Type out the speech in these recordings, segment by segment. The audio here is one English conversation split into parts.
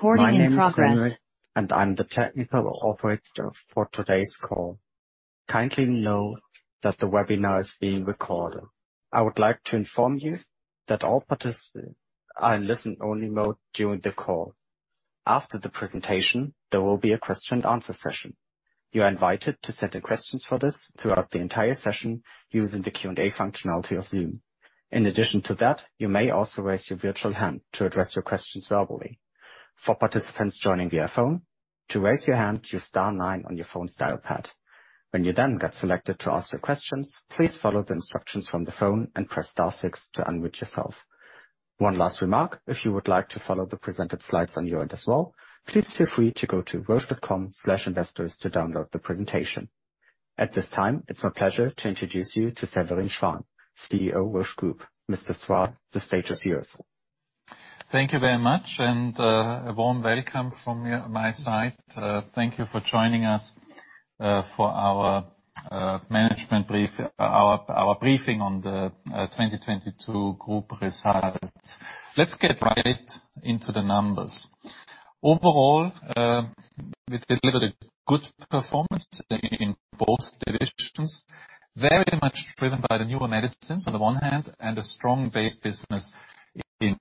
My name is Henry, and I'm the technical operator for today's call. Kindly know that the webinar is being recorded. I would like to inform you that all participants are in listen-only mode during the call. After the presentation, there will be a question-and-answer session. You are invited to send in questions for this throughout the entire session using the Q&A functionality of Zoom. In addition to that, you may also raise your virtual hand to address your questions verbally. For participants joining via phone, to raise your hand, cue star nine on your phone's dial pad. When you then get selected to ask your questions, please follow the instructions from the phone and press star six to unmute yourself. One last remark, if you would like to follow the presented slides on your end as well, please feel free to go to roche.com/investors to download the presentation. At this time, it's my pleasure to introduce you to Severin Schwan, CEO, Roche Group. Mr. Schwan, the stage is yours. Thank you very much, and a warm welcome from my side. Thank you for joining us for our briefing on the 2022 group results. Let's get right into the numbers. Overall, we delivered a good performance in both divisions, very much driven by the newer medicines on the one hand and a strong base business in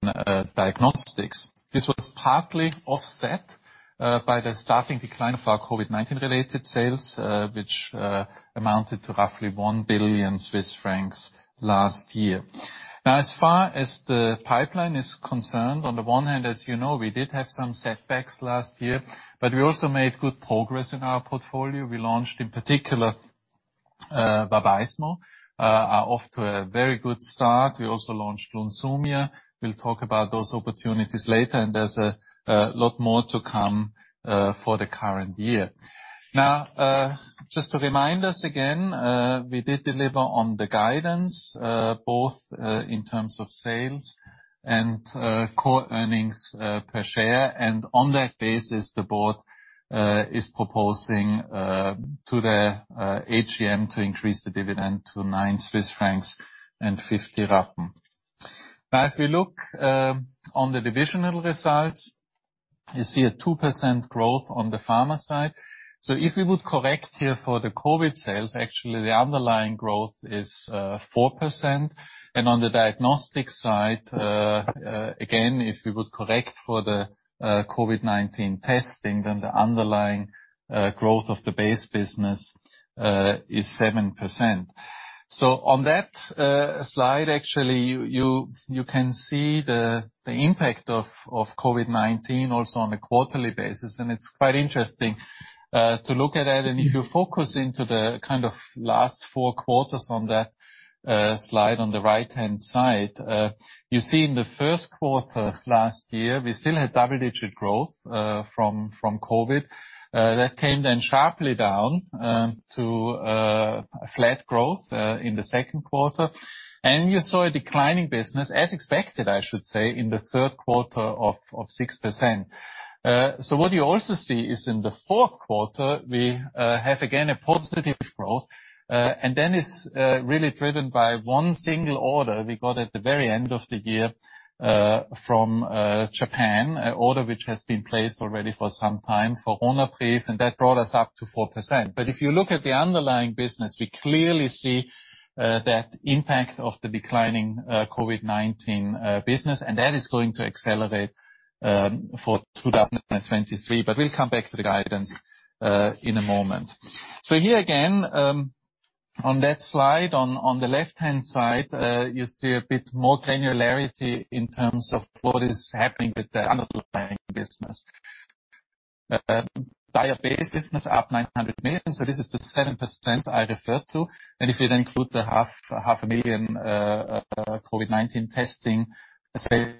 diagnostics. This was partly offset by the starting decline of our COVID-19 related sales, which amounted to roughly 1 billion Swiss francs last year. As far as the pipeline is concerned, on the one hand, as you know, we did have some setbacks last year, but we also made good progress in our portfolio. We launched, in particular, Vabysmo, off to a very good start. We also launched Lunsumio. We'll talk about those opportunities later. There's a lot more to come for the current year. Just to remind us again, we did deliver on the guidance both in terms of sales and core earnings per share. On that basis, the board is proposing to the AGM to increase the dividend to 9 Swiss francs and 50 rappen. If we look on the divisional results, you see a 2% growth on the pharma side. If we would correct here for the COVID sales, actually, the underlying growth is 4%. On the diagnostic side, again, if we would correct for the COVID-19 testing, then the underlying growth of the base business is 7%. On that slide, actually, you can see the impact of COVID-19 also on a quarterly basis. It's quite interesting to look at that. If you focus into the kind of last four quarters on that slide on the right-hand side, you see in the first quarter last year, we still had double-digit growth from COVID. That came then sharply down to flat growth in the second quarter. You saw a declining business, as expected, I should say, in the third quarter of 6%. What you also see is in the fourth quarter, we have again a positive growth, it's really driven by one single order we got at the very end of the year from Japan. An order which has been placed already for some time for Ronapreve, that brought us up to 4%. If you look at the underlying business, we clearly see that impact of the declining COVID-19 business. That is going to accelerate for 2023. We'll come back to the guidance in a moment. Here again, on that slide on the left-hand side, you see a bit more granularity in terms of what is happening with the underlying business. Diabetes business up 900 million, this is the 7% I referred to. If you include the CHF half a million COVID-19 testing sales,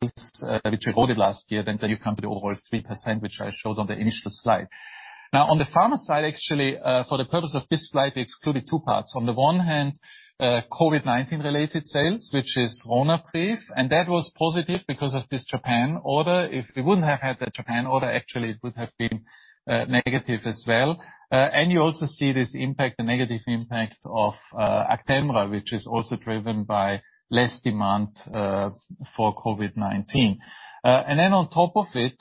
which we ordered last year, you come to the overall 3%, which I showed on the initial slide. On the Pharma side, for the purpose of this slide, we excluded two parts. On the one hand, COVID-19 related sales, which is Ronapreve, that was positive because of this Japan order. If we wouldn't have had that Japan order, it would have been negative as well. You also see this impact, the negative impact of Actemra, which is also driven by less demand for COVID-19. On top of it,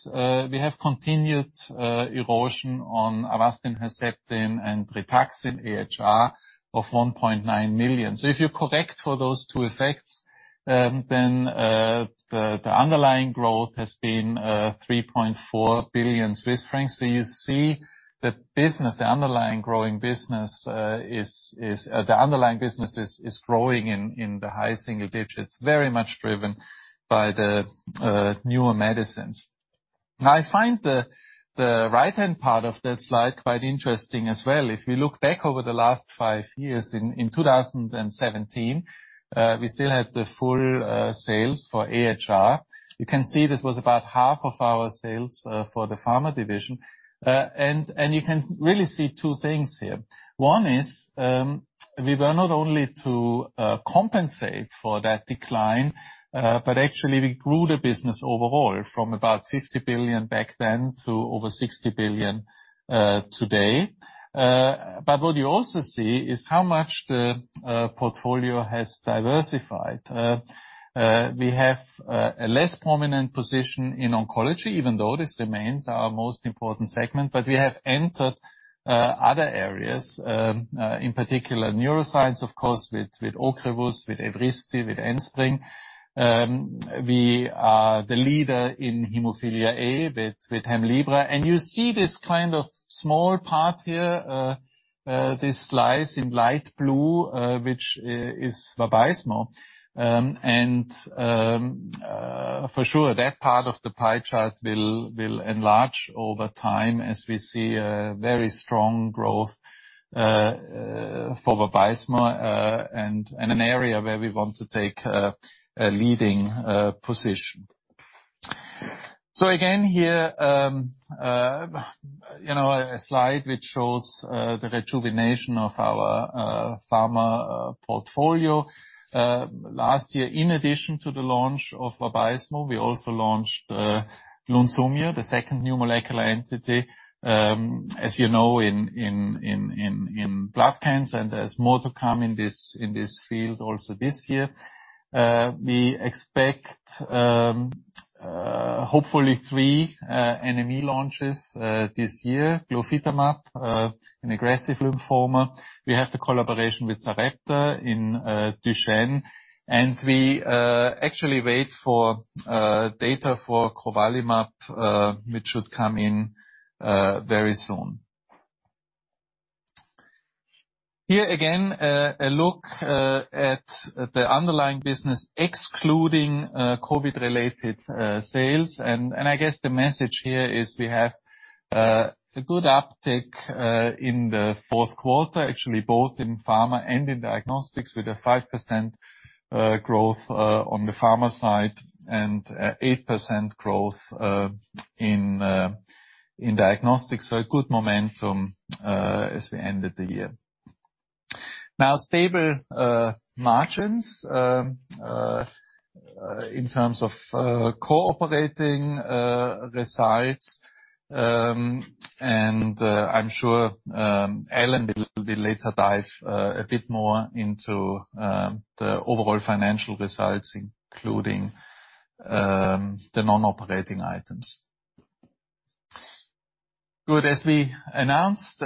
we have continued erosion on Avastin, Herceptin, and Rituxan, AHR, of 1.9 million. If you correct for those two effects, the underlying growth has been 3.4 billion Swiss francs. You see the business, the underlying growing business is growing in the high single digits, very much driven by the newer medicines. I find the right-hand part of that slide quite interesting as well. If you look back over the last five years in 2017, we still had the full sales for AHR. You can see this was about half of our sales for the Pharma division. You can really see two things here. One is, we were not only to compensate for that decline, but actually we grew the business overall from about 50 billion back then to over 60 billion today. What you also see is how much the portfolio has diversified. We have a less prominent position in oncology, even though this remains our most important segment. We have entered other areas, in particular, neuroscience, of course, with Ocrevus, with Evrysdi, with Enspryng. We are the leader in hemophilia A with Hemlibra. You see this kind of small part here, this slice in light blue, which is Vabysmo. And for sure, that part of the pie chart will enlarge over time as we see a very strong growth for Vabysmo, and an area where we want to take a leading position. Again here, you know, a slide which shows the rejuvenation of our pharma portfolio. Last year, in addition to the launch of Vabysmo, we also launched Lunsumio, the second new molecular entity, as you know, in blood cancer, there's more to come in this field also this year. We expect hopefully three NME launches this year. Glofitamab in aggressive lymphoma. We have the collaboration with Sarepta in Duchenne. We actually wait for data for crovalimab, which should come in very soon. Here again, a look at the underlying business, excluding COVID-related sales. I guess the message here is we have a good uptake in the fourth quarter, actually, both in pharma and in diagnostics, with a 5% growth on the pharma side and 8% growth in diagnostics. A good momentum as we ended the year. Now, stable margins in terms of cooperating results. And I'm sure Alan will later dive a bit more into the overall financial results, including the non-operating items. Good. As we announced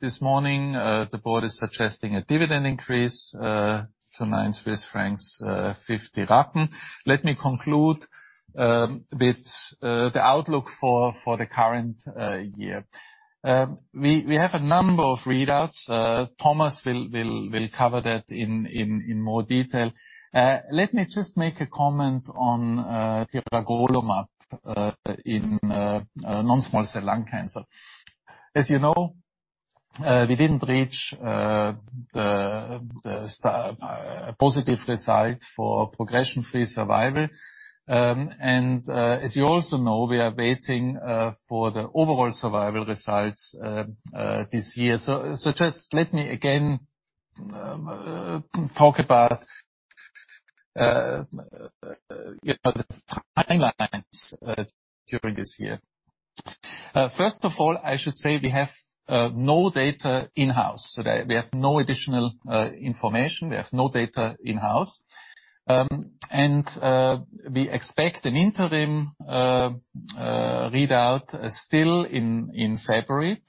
this morning, the board is suggesting a dividend increase to 9.50 Swiss francs. Let me conclude with the outlook for the current year. We have a number of readouts. Thomas will cover that in more detail. Let me just make a comment on tiragolumab in non-small cell lung cancer. As you know, we didn't reach a positive result for progression-free survival. As you also know, we are waiting for the overall survival results this year. just let me again talk about, you know, the timelines during this year. First of all, I should say we have no data in-house. that we have no additional information. We have no data in-house. we expect an interim readout still in February.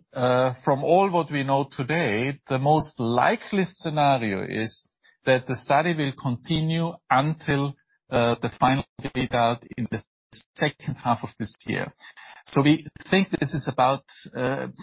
from all what we know today, the most likely scenario is that the study will continue until the final readout in the second half of this year. we think this is about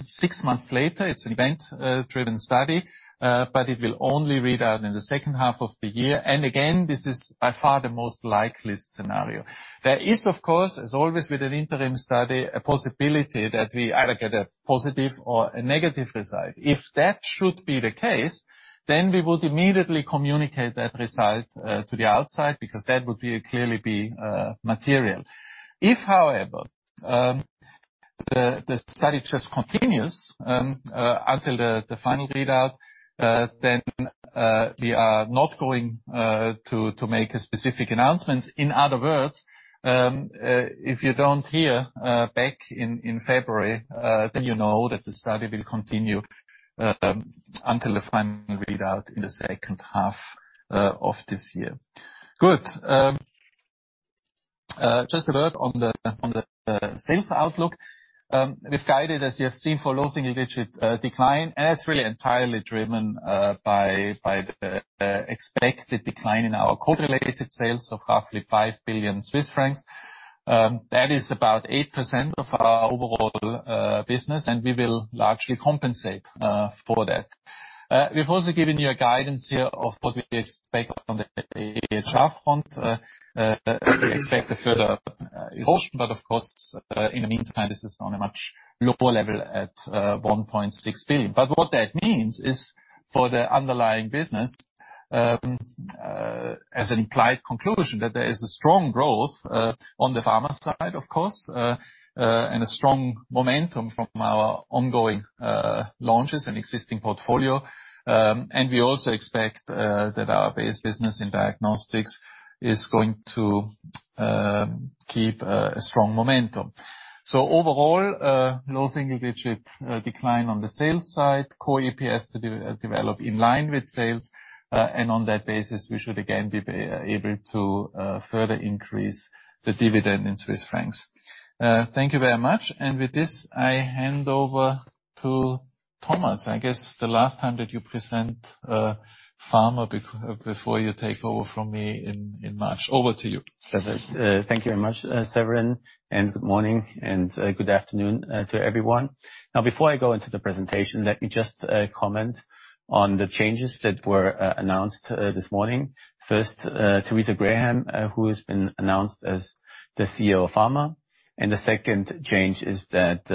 six months later. It's event-driven study, but it will only read out in the second half of the year. Again, this is by far the most likely scenario. There is, of course, as always with an interim study, a possibility that we either get a positive or a negative result. If that should be the case, then we would immediately communicate that result to the outside, because that would clearly be material. If, however, the study just continues until the final readout, then we are not going to make a specific announcement. In other words, if you don't hear back in February, then you know that the study will continue until the final readout in the second half of this year. Good. Just a word on the sales outlook. We've guided, as you have seen, for low single-digit decline. That's really entirely driven by the expected decline in our COVID-related sales of roughly 5 billion Swiss francs. That is about 8% of our overall business, we will largely compensate for that. We've also given you a guidance here of what we expect on the HF front. Expect a further erosion, but of course, in the meantime, this is on a much lower level at 1.6 billion. What that means is for the underlying business, as an implied conclusion, that there is a strong growth on the pharma side, of course, and a strong momentum from our ongoing launches and existing portfolio. We also expect that our base business in diagnostics is going to keep a strong momentum. Overall, low single digit decline on the sales side, core EPS to develop in line with sales. On that basis, we should again be able to further increase the dividend in Swiss francs. Thank you very much. With this, I hand over to Thomas. I guess the last time that you present pharma before you take over from me in March. Over to you. Thank you very much, Severin, and good morning and good afternoon to everyone. Now, before I go into the presentation, let me just comment on the changes that were announced this morning. First, Teresa Graham, who has been announced as the CEO of Pharma. The second change is that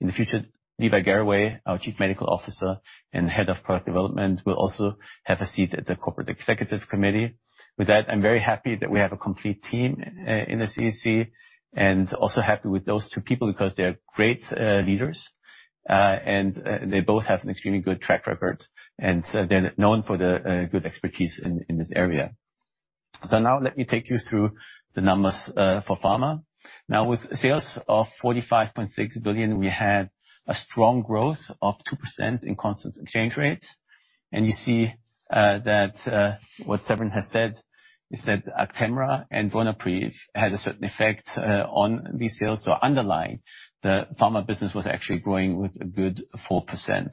in the future, Levi Garraway, our Chief Medical Officer and Head of Product Development, will also have a seat at the Corporate Executive Committee. With that, I'm very happy that we have a complete team in the CEC, and also happy with those two people because they're great leaders. They both have an extremely good track record, and they're known for the good expertise in this area. Now let me take you through the numbers for Pharma. Now, with sales of 45.6 billion, we had a strong growth of 2% in constant exchange rates. You see that what Severin has said, he said Actemra and Ronapreve had a certain effect on these sales. Underlying, the pharma business was actually growing with a good 4%.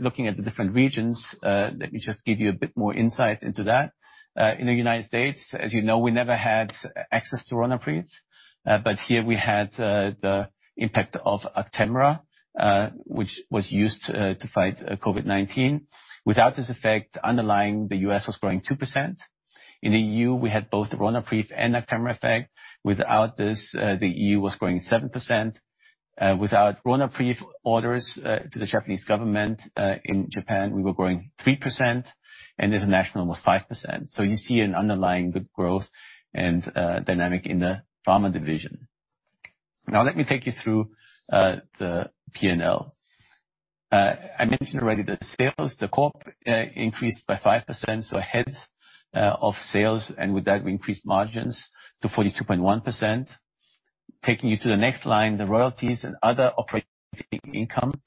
Looking at the different regions, let me just give you a bit more insight into that. In the United States, as you know, we never had access to Ronapreve, but here we had the impact of Actemra, which was used to fight COVID-19. Without this effect underlying, the U.S. was growing 2%. In the EU, we had both Ronapreve and Actemra effect. Without this, the EU was growing 7%. Without Ronapreve orders to the Japanese government in Japan, we were growing 3%, and international was 5%. You see an underlying good growth and dynamic in the pharma division. Let me take you through the P&L. I mentioned already the sales, the core increased by 5%, so ahead of sales, and with that, we increased margins to 42.1%. Taking you to the next line, the royalties and other operating income,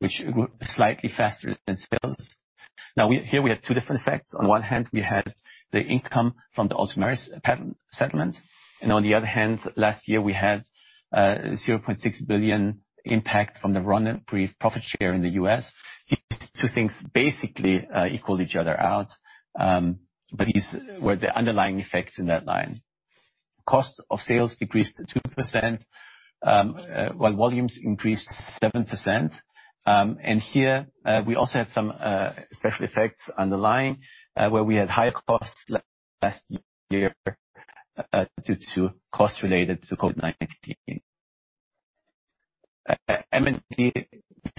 which grew slightly faster than sales. Here we have two different effects. On one hand, we had the income from the Ultomiris patent settlement. On the other hand, last year we had $0.6 billion impact from the Ronapreve profit share in the US. These two things basically equaled each other out. These were the underlying effects in that line. Cost of sales decreased 2% while volumes increased 7%. Here, we also had some special effects underlying, where we had higher costs last year, due to cost related to COVID-19. M&E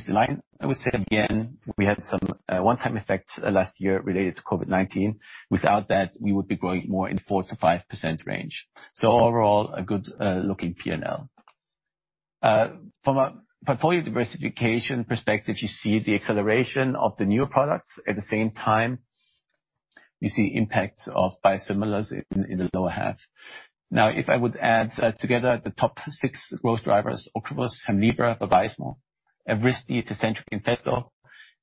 line, I would say again, we had some one-time effects last year related to COVID-19. Without that, we would be growing more in 4%-5% range. Overall, a good looking P&L. From a portfolio diversification perspective, you see the acceleration of the newer products. At the same time, you see impact of biosimilars in the lower half. If I would add together the top six growth drivers, Ocrevus, Hemlibra, Vabysmo, Evrysdi, Tecentriq, and Phesgo,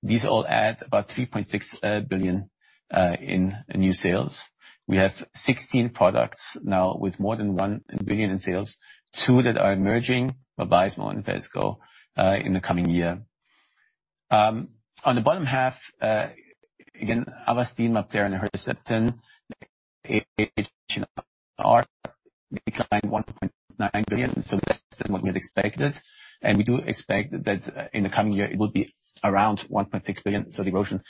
these all add about 3.6 billion in new sales. We have 16 products now with more than 1 billion in sales. Two that are emerging, Vabysmo and Phesgo, in the coming year. On the bottom half, again, Avastin up there and Herceptin, it declined 1.9 billion, less than what we had expected. We do expect that in the coming year, it will be around 1.6 billion, the erosion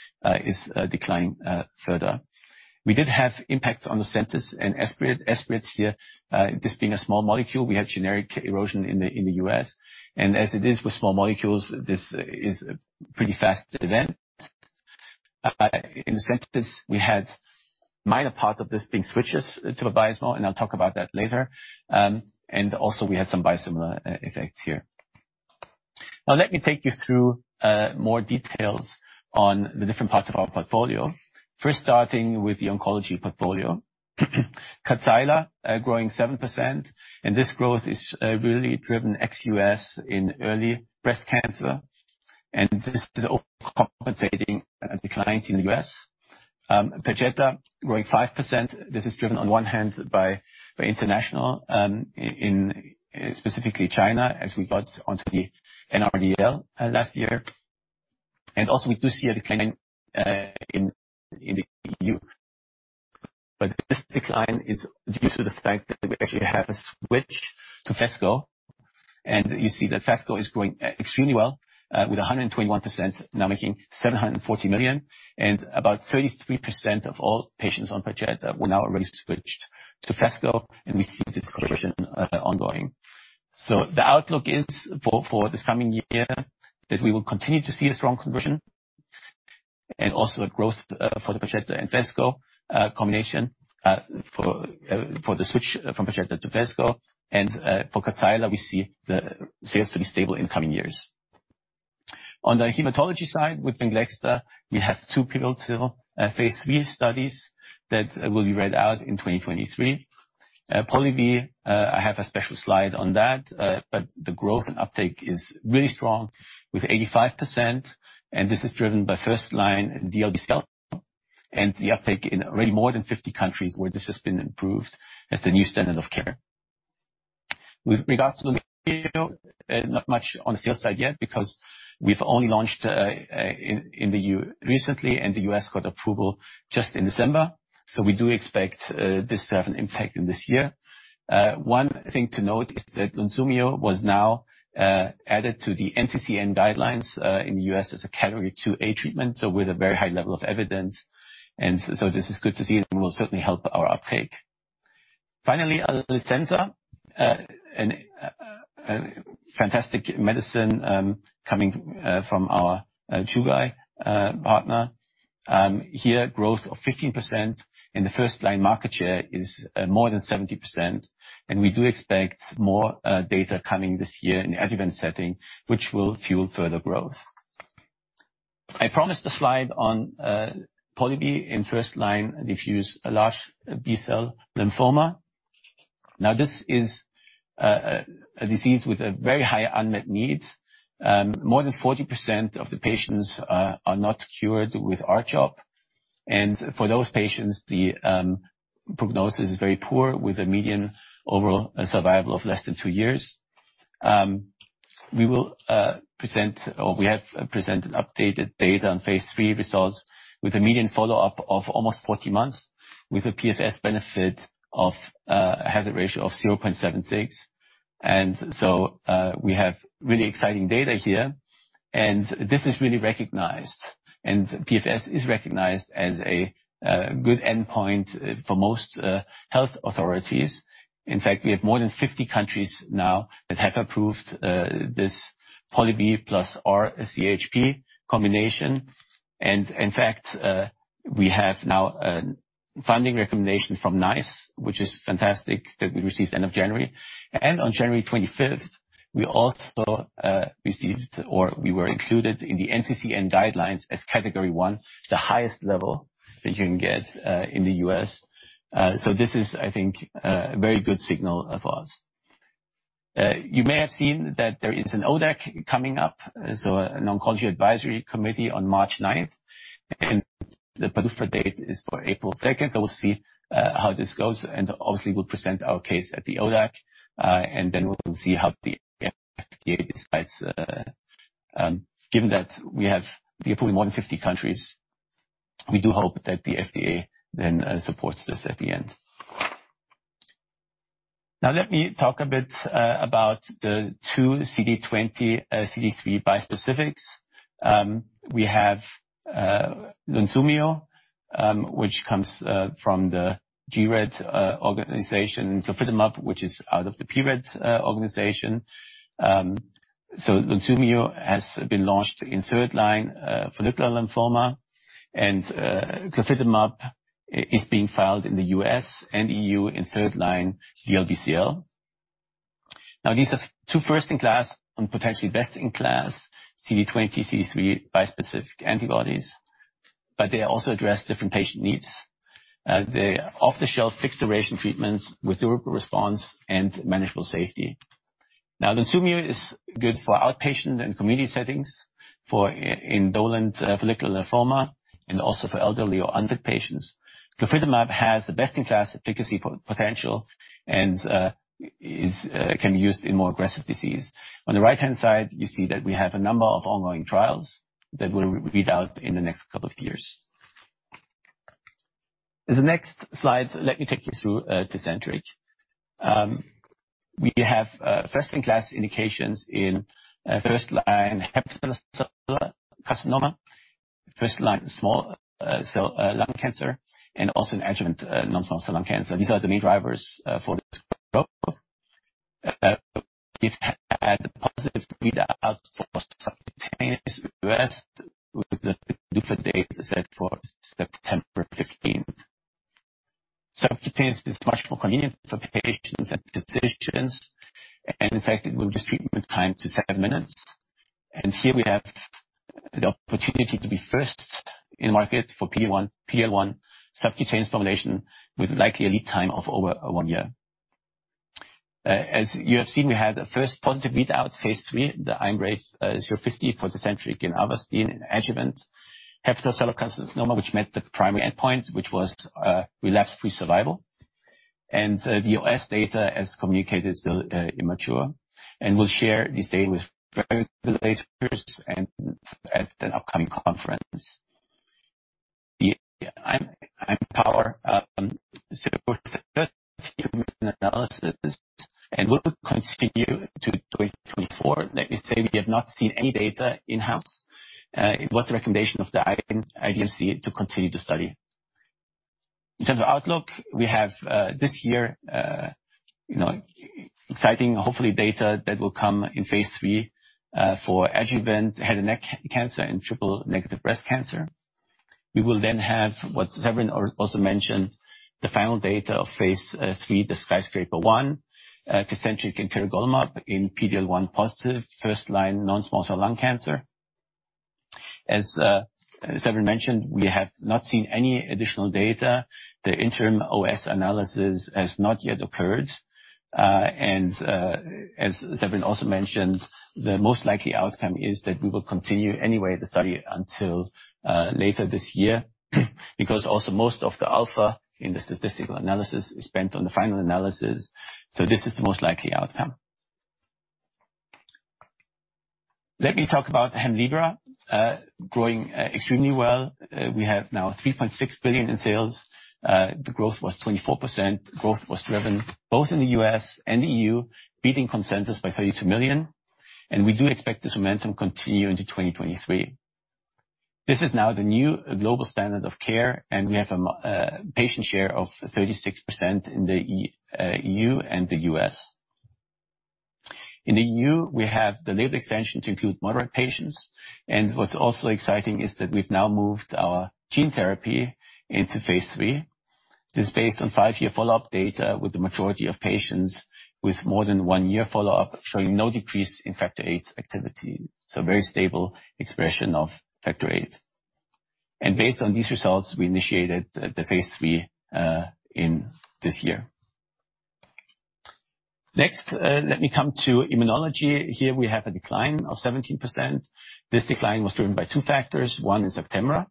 is declining further. We did have impacts on Lucentis and Esbriet. Esbriet here, this being a small molecule, we had generic erosion in the US. As it is with small molecules, this is pretty fast event. In Lucentis, we had minor part of this being switches to Vabysmo, I'll talk about that later. Also, we had some biosimilar effects here. Now let me take you through more details on the different parts of our portfolio. First, starting with the oncology portfolio. Kadcyla, growing 7%, this growth is really driven ex-U.S. in early breast cancer, this is overcompensating declines in the U.S. Perjeta growing 5%. This is driven on one hand by international, in specifically China, as we got onto the NRDL last year. Also, we do see a decline in the EU. This decline is due to the fact that we actually have a switch to Phesgo. You see that Phesgo is growing extremely well, with 121%, now making 740 million. About 33% of all patients on Perjeta were now already switched to Phesgo, and we see this conversion ongoing. The outlook is for this coming year that we will continue to see a strong conversion and also a growth for the Perjeta and Phesgo combination for the switch from Perjeta to Phesgo. For Kadcyla, we see the sales to be stable in the coming years. On the hematology side, with Bingelxta, we have two pivotal phase III studies that will be read out in 2023. Polivy, I have a special slide on that, but the growth and uptake is really strong with 85%, and this is driven by first line DLBCL. The uptake in already more than 50 countries where this has been approved as the new standard of care. Not much on the sales side yet because we've only launched in the EU recently, and the US got approval just in December, so we do expect this to have an impact in this year. One thing to note is that Lunsumio was now added to the NCCN guidelines in the US as a category II-A treatment, so with a very high level of evidence. This is good to see and will certainly help our uptake. Finally, Uplizna, a fantastic medicine, coming from our Chugai partner. Here growth of 15% in the first line market share is more than 70%, and we do expect more data coming this year in an evidence setting, which will fuel further growth. I promised a slide on Polivy in first line diffuse large B-cell lymphoma. This is a disease with a very high unmet need. More than 40% of the patients are not cured with R-CHOP. For those patients, the prognosis is very poor with a median overall survival of less than two years. We have presented updated data on phase III results with a median follow-up of almost 40 months with a PFS benefit of a hazard ratio of 0.76. We have really exciting data here, and this is really recognized. PFS is recognized as a good endpoint for most health authorities. In fact, we have more than 50 countries now that have approved this Polivy plus R-CHP combination. We have now a funding recommendation from NICE, which is fantastic, that we received end of January. On January 25th, we also received or we were included in the NCCN guidelines as category one, the highest level that you can get in the U.S. This is, I think, a very good signal for us. You may have seen that there is an ODAC coming up, so an Oncology Advisory Committee on March 9th, and the prefer date is for April 2nd. We'll see how this goes, and obviously we'll present our case at the ODAC, and then we'll see how the FDA decides, given that we have the approval in more than 50 countries, we do hope that the FDA then supports this at the end. Let me talk a bit about the two CD20, CD3 bispecifics. We have Lunsumio, which comes from the gRED organization, glofitamab, which is out of the pRED organization. Lunsumio has been launched in 3rd line follicular lymphoma, and glofitamab is being filed in the U.S. and E.U. in 3rd line DLBCL. These are two first-in-class and potentially best-in-class CD20, CD3 bispecific antibodies, but they also address different patient needs. They're off-the-shelf fixed-duration treatments with durable response and manageable safety. Lunsumio is good for outpatient and community settings for indolent follicular lymphoma and also for elderly or unfit patients. Glofitamab has the best-in-class efficacy potential and is can be used in more aggressive disease. On the right-hand side, you see that we have a number of ongoing trials that will read out in the next couple of years. In the next slide, let me take you through Tecentriq. We have first-in-class indications in first-line hepatocellular carcinoma, first-line small cell lung cancer, and also in adjuvant non-small cell lung cancer. These are the main drivers for this growth. We've had positive readouts for subcutaneous U.S. with the PDUFA date set for September 15th. Subcutaneous is much more convenient for patients and physicians, and in fact, it will reduce treatment time to seven minutes. Here we have the opportunity to be first in market for PD-L1 subcutaneous formulation with likely a lead time of over one year. As you have seen, we had the first positive read out phase III, the IMbrave050 for Tecentriq and Avastin in adjuvant hepatocellular carcinoma, which met the primary endpoint, which was relapse-free survival. The OS data, as communicated, is still immature. We'll share this data at an upcoming conference. The IMpower013 analysis, and we will continue to 2024. Let me say we have not seen any data in-house. It was the recommendation of the IVC to continue to study. In terms of outlook, we have, this year, you know, exciting, hopefully, data that will come in phase III, for adjuvant head and neck cancer and triple-negative breast cancer. We will have what Severin also mentioned, the final data of phase III, the SKYSCRAPER-01, Tecentriq and tiragolumab in PD-L1 positive first line non-small cell lung cancer. As Severin mentioned, we have not seen any additional data. The interim OS analysis has not yet occurred. As Severin also mentioned, the most likely outcome is that we will continue anyway the study until later this year, because also most of the alpha in the statistical analysis is spent on the final analysis, so this is the most likely outcome. Let me talk about Hemlibra, growing extremely well. We have now 3.6 billion in sales. The growth was 24%. Growth was driven both in the U.S. and EU, beating consensus by 32 million. We do expect this momentum continue into 2023. This is now the new global standard of care. We have a patient share of 36% in the EU and the U.S. In the EU, we have the label extension to include moderate patients. What's also exciting is that we've now moved our Gene Therapy into phase III. This is based on five-year follow-up data with the majority of patients with more than one year follow-up, showing no decrease in factor VIII activity, very stable expression of factor VIII. Based on these results, we initiated the phase III in this year. Next, let me come to immunology. Here we have a decline of 17%. This decline was driven by two factors. One is Actemra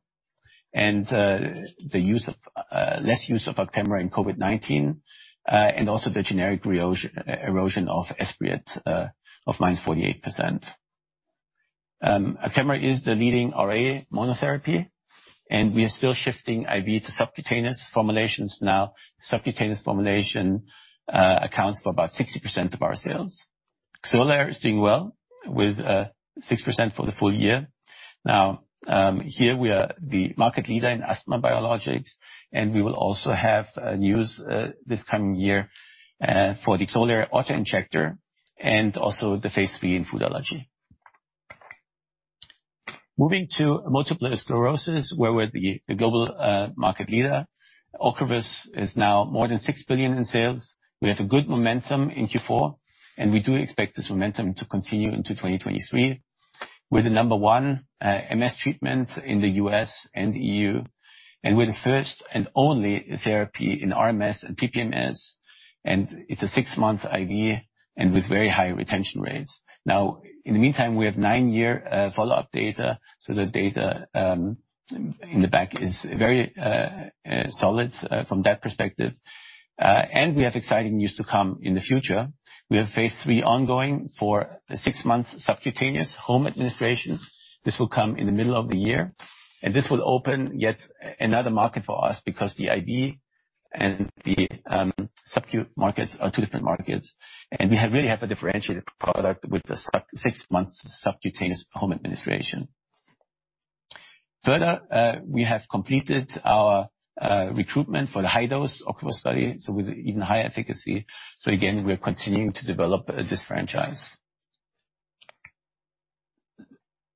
and the use of less use of Actemra in COVID-19 and also the generic erosion of Esbriet of -48%. Actemra is the leading RA monotherapy, and we are still shifting IV to subcutaneous formulations now. Subcutaneous formulation accounts for about 60% of our sales. Xolair is doing well with 6% for the full year. Now, here we are the market leader in asthma biologics, and we will also have news this coming year for the Xolair auto-injector and also the phase III in food allergy. Moving to multiple sclerosis, where we're the global market leader. Ocrevus is now more than 6 billion in sales. We have a good momentum in Q4, and we do expect this momentum to continue into 2023. We're the number one MS treatment in the U.S. and E.U., and we're the first and only therapy in RMS and PPMS, and it's a six-month I.V. and with very high retention rates. Now, in the meantime, we have nine-year follow-up data, so the data in the back is very solid from that perspective. We have exciting news to come in the future. We have phase III ongoing for a six-month subcutaneous home administration. This will come in the middle of the year. This will open yet another market for us because the IV and the sub-Q markets are two different markets. We really have a differentiated product with the six months subcutaneous home administration. Further, we have completed our recruitment for the high-dose Ocrevus study, so with even higher efficacy. Again, we're continuing to develop this franchise.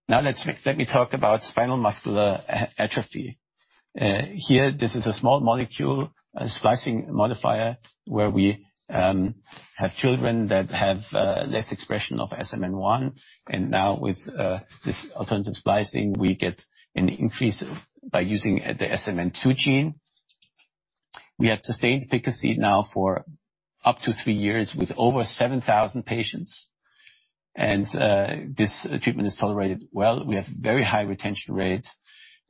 Now let me talk about spinal muscular atrophy. Here this is a small molecule, a splicing modifier, where we have children that have less expression of SMN1, and now with this alternative splicing, we get an increase of by using the SMN2 gene. We have sustained efficacy now for up to three years with over 7,000 patients. This treatment is tolerated well. We have very high retention rate.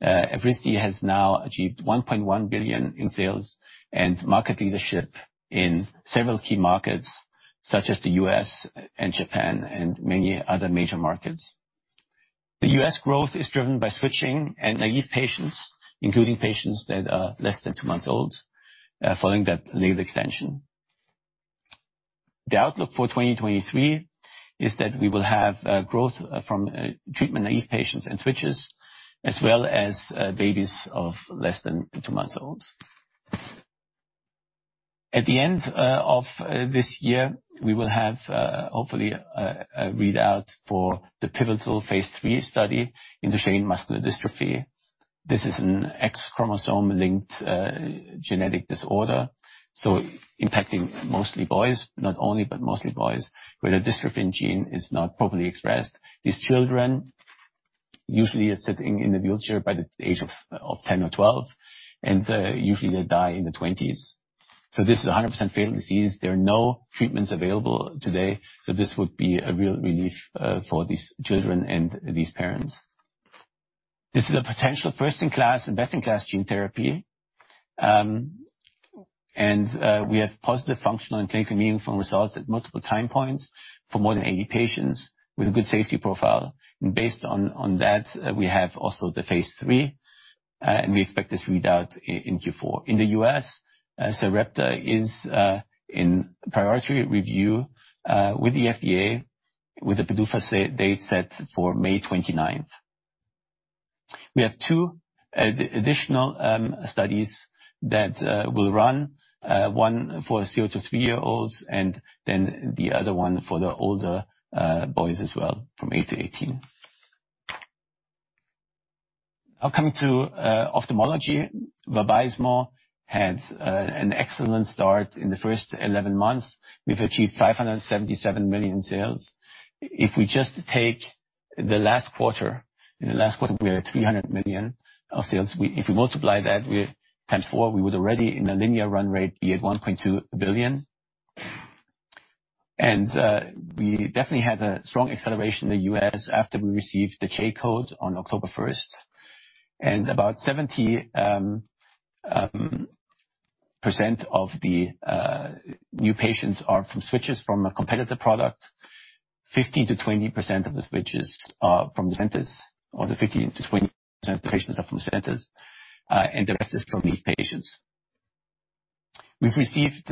Evrysdi has now achieved 1.1 billion in sales and market leadership in several key markets, such as the U.S. and Japan and many other major markets. The U.S. growth is driven by switching and naive patients, including patients that are less than two months old, following that label extension. The outlook for 2023 is that we will have growth from treatment-naive patients and switches as well as babies of less than two months old. At the end of this year, we will have hopefully a readout for the pivotal phase III study in Duchenne muscular dystrophy. This is an X chromosome-linked genetic disorder, so impacting mostly boys, not only, but mostly boys, where the dystrophin gene is not properly expressed. These children usually are sitting in a wheelchair by the age of 10 or 12, and usually they die in their 20s. This is a 100% fatal disease. There are no treatments available today, this would be a real relief for these children and these parents. This is a potential first-in-class and best-in-class Gene Therapy. We have positive functional and clinically meaningful results at multiple time points for more than 80 patients with a good safety profile. Based on that, we have also the phase III, and we expect this readout in Q4. In the U.S., Zolgensma is in priority review with the FDA, with the PDUFA date set for May 29th. We have two additional studies that will run, one for zero to three-year-olds and then the other one for the older boys as well from eight to 18. Coming to ophthalmology. Vabysmo had an excellent start in the first 11 months. We've achieved 577 million in sales. If we just take the last quarter, in the last quarter, we had 300 million of sales. If we multiply that with times four, we would already in a linear run rate be at 1.2 billion. We definitely had a strong acceleration in the US after we received the J-code on October 1st. About 70% of the new patients are from switches from a competitor product. 50%-20% of the switches are from the centers, or the 50%-20% of patients are from the centers, and the rest is from new patients. We've received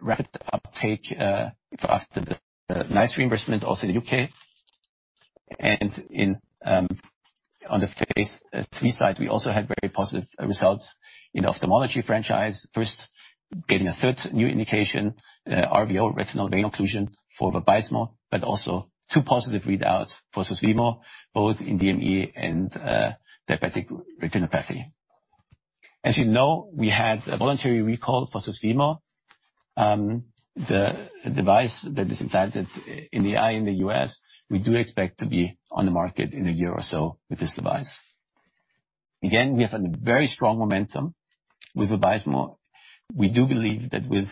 rapid uptake for us the NICE reimbursement also in the U.K. In, on the phase III side, we also had very positive results in ophthalmology franchise. First, getting a third new indication, RVO retinal vein occlusion for Vabysmo, but also two positive readouts for Susvimo, both in DME and diabetic retinopathy. As you know, we had a voluntary recall for Susvimo. The device that is implanted in the eye in the U.S., we do expect to be on the market in a year or so with this device. We have a very strong momentum with Vabysmo. We do believe that with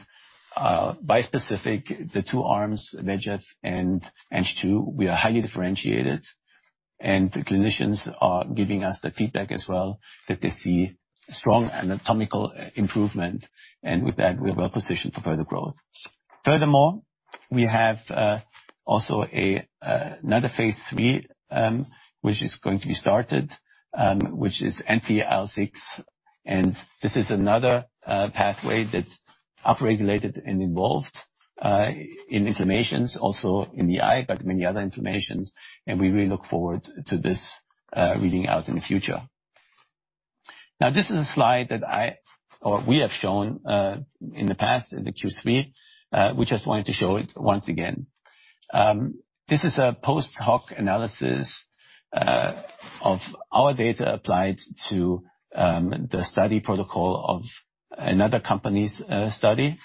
bispecific, the two arms, VEGF and Ang2, we are highly differentiated. The clinicians are giving us the feedback as well that they see strong anatomical improvement. With that, we are well positioned for further growth. Furthermore, we have also another phase III, which is going to be started, which is NPR6. This is another pathway that's upregulated and involved in inflammations, also in the eye, but many other inflammations. We really look forward to this reading out in the future. Now, this is a slide that I or we have shown in the past in the Q3. We just wanted to show it once again. This is a post-hoc analysis of our data applied to the study protocol of another company's study.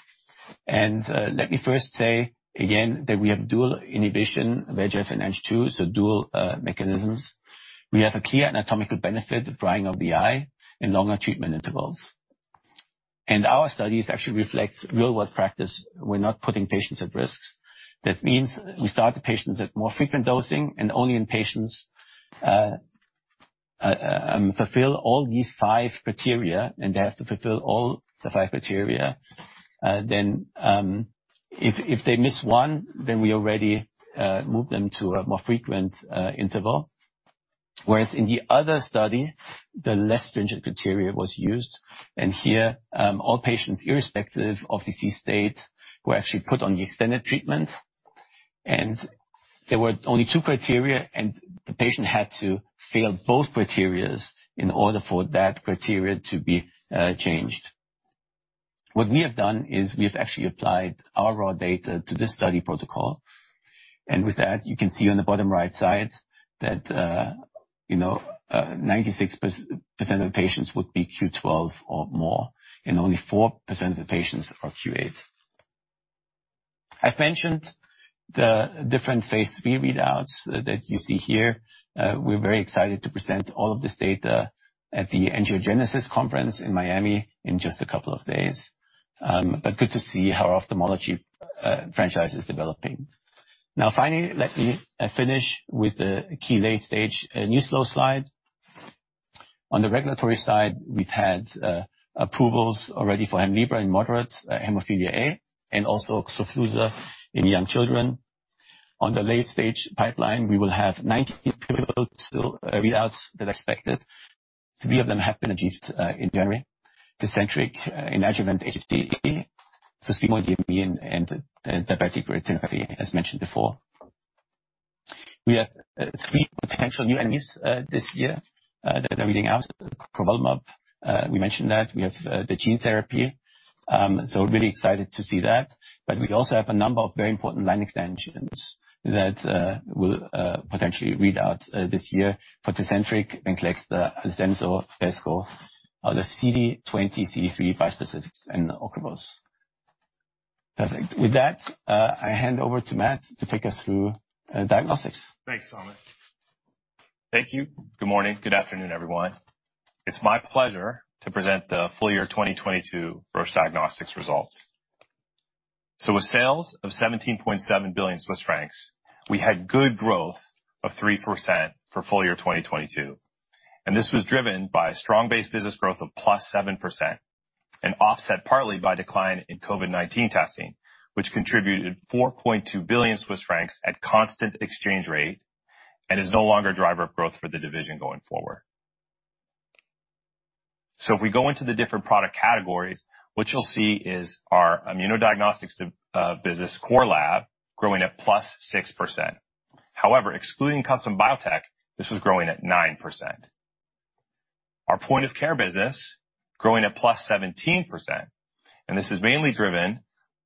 Let me first say again that we have dual inhibition, VEGF and Ang2, so dual mechanisms. We have a clear anatomical benefit, drying of the eye and longer treatment intervals. Our studies actually reflect real-world practice. We're not putting patients at risk. That means we start the patients at more frequent dosing and only in patients fulfill all these five criteria, and they have to fulfill all the five criteria. Then, if they miss one, we already move them to a more frequent interval. Whereas in the other study, the less stringent criteria was used. Here, all patients, irrespective of disease state, were actually put on the extended treatment. There were only two criteria, and the patient had to fail both criteria in order for that criteria to be changed. What we have done is we have actually applied our raw data to this study protocol. With that, you can see on the bottom right side that, you know, 96% of the patients would be Q12 or more, and only 4% of the patients are Q8. I've mentioned the different phase III readouts that you see here. We're very excited to present all of this data at the Angiogenesis conference in Miami in just a couple of days. Good to see how our ophthalmology franchise is developing. Finally, let me finish with the key late-stage news flow slide. On the regulatory side, we've had approvals already for Hemlibra in moderate hemophilia A and also Xofluza in young children. On the late-stage pipeline, we will have 19 approvals, so readouts that are expected. Three of them have been achieved in January. Tecentriq in adjuvant HCC, Susvimo DME, and diabetic retinopathy, as mentioned before. We have three potential new NMEs this year that are reading out. Crovolumab, we mentioned that. We have Gene Therapy. Really excited to see that. We also have a number of very important line extensions that will potentially read out this year for Tecentriq, Venclexta, Phesgo, Vesco, the CD20-CD3 bispecifics, and Ocrevus. Perfect. With that, I hand over to Matt to take us through diagnostics. Thanks, Thomas. Thank you. Good morning. Good afternoon, everyone. It's my pleasure to present the full year 2022 Roche Diagnostics results. With sales of 17.7 billion Swiss francs, we had good growth of 3% for full year 2022. This was driven by strong base business growth of +7% and offset partly by decline in COVID-19 testing, which contributed 4.2 billion Swiss francs at constant exchange rate and is no longer a driver of growth for the division going forward. If we go into the different product categories, what you'll see is our immunodiagnostics business core lab growing at +6%. However, excluding custom biotech, this was growing at 9%. Our point of care business growing at +17%, and this is mainly driven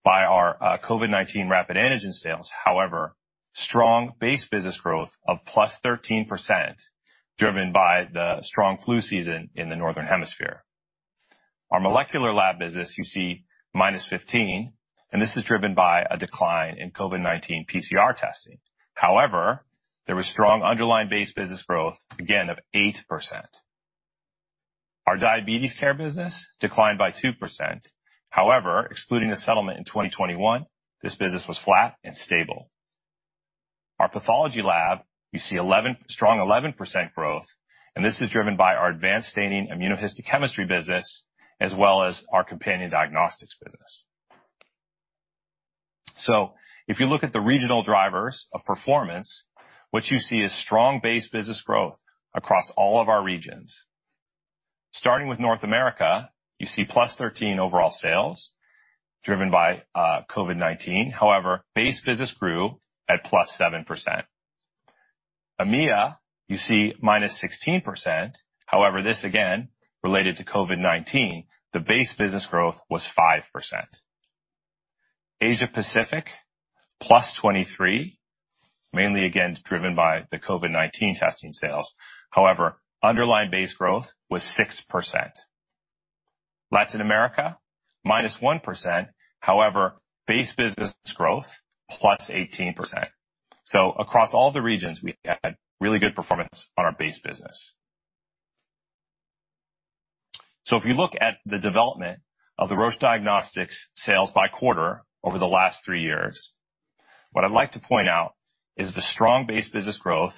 by our COVID-19 rapid antigen sales. Strong base business growth of +13%, driven by the strong flu season in the northern hemisphere. Our molecular lab business, you see -15%, and this is driven by a decline in COVID-19 PCR testing. There was strong underlying base business growth again of 8%. Our diabetes care business declined by 2%. Excluding the settlement in 2021, this business was flat and stable. Our pathology lab, you see strong 11% growth, and this is driven by our advanced staining immunohistochemistry business as well as our companion diagnostics business. If you look at the regional drivers of performance, what you see is strong base business growth across all of our regions. Starting with North America, you see +13% overall sales driven by COVID-19. Base business grew at +7%. EMEA, you see -16%. However, this again, related to COVID-19, the base business growth was 5%. Asia Pacific +23%, mainly again, driven by the COVID-19 testing sales. However, underlying base growth was 6%. Latin America, -1%. However, base business growth +18%. Across all the regions we had really good performance on our base business. If you look at the development of the Roche Diagnostics sales by quarter over the last three years, what I'd like to point out is the strong base business growth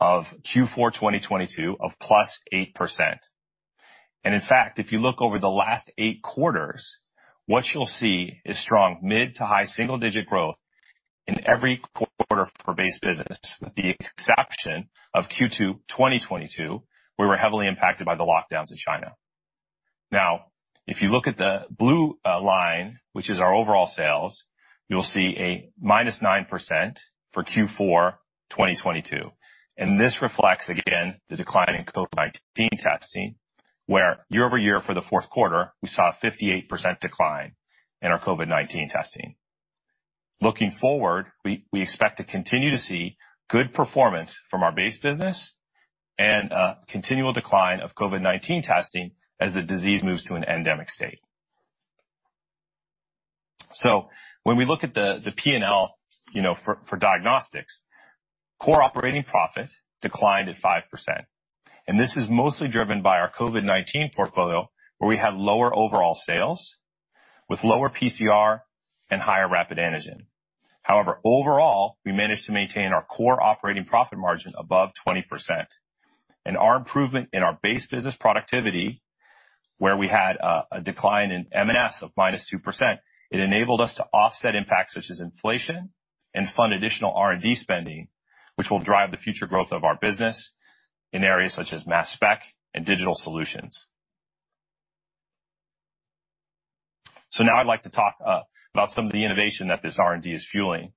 of Q4 2022 of +8%. In fact, if you look over the last 8 quarters, what you'll see is strong mid to high single-digit growth in every quarter for base business with the exception of Q2 2022, we were heavily impacted by the lockdowns in China. If you look at the blue line, which is our overall sales, you'll see a -9% for Q4 2022, and this reflects again the decline in COVID-19 testing, where year-over-year for the fourth quarter, we saw a 58% decline in our COVID-19 testing. Looking forward, we expect to continue to see good performance from our base business and continual decline of COVID-19 testing as the disease moves to an endemic state. When we look at the P&L, you know, for diagnostics, core operating profit declined at 5%. This is mostly driven by our COVID-19 portfolio, where we have lower overall sales with lower PCR and higher rapid antigen. However, overall, we managed to maintain our core operating profit margin above 20%. Our improvement in our base business productivity, where we had a decline in M&S of -2%, it enabled us to offset impacts such as inflation and fund additional R&D spending, which will drive the future growth of our business in areas such as mass spec and digital solutions. Now I'd like to talk about some of the innovation that this R&D is fueling,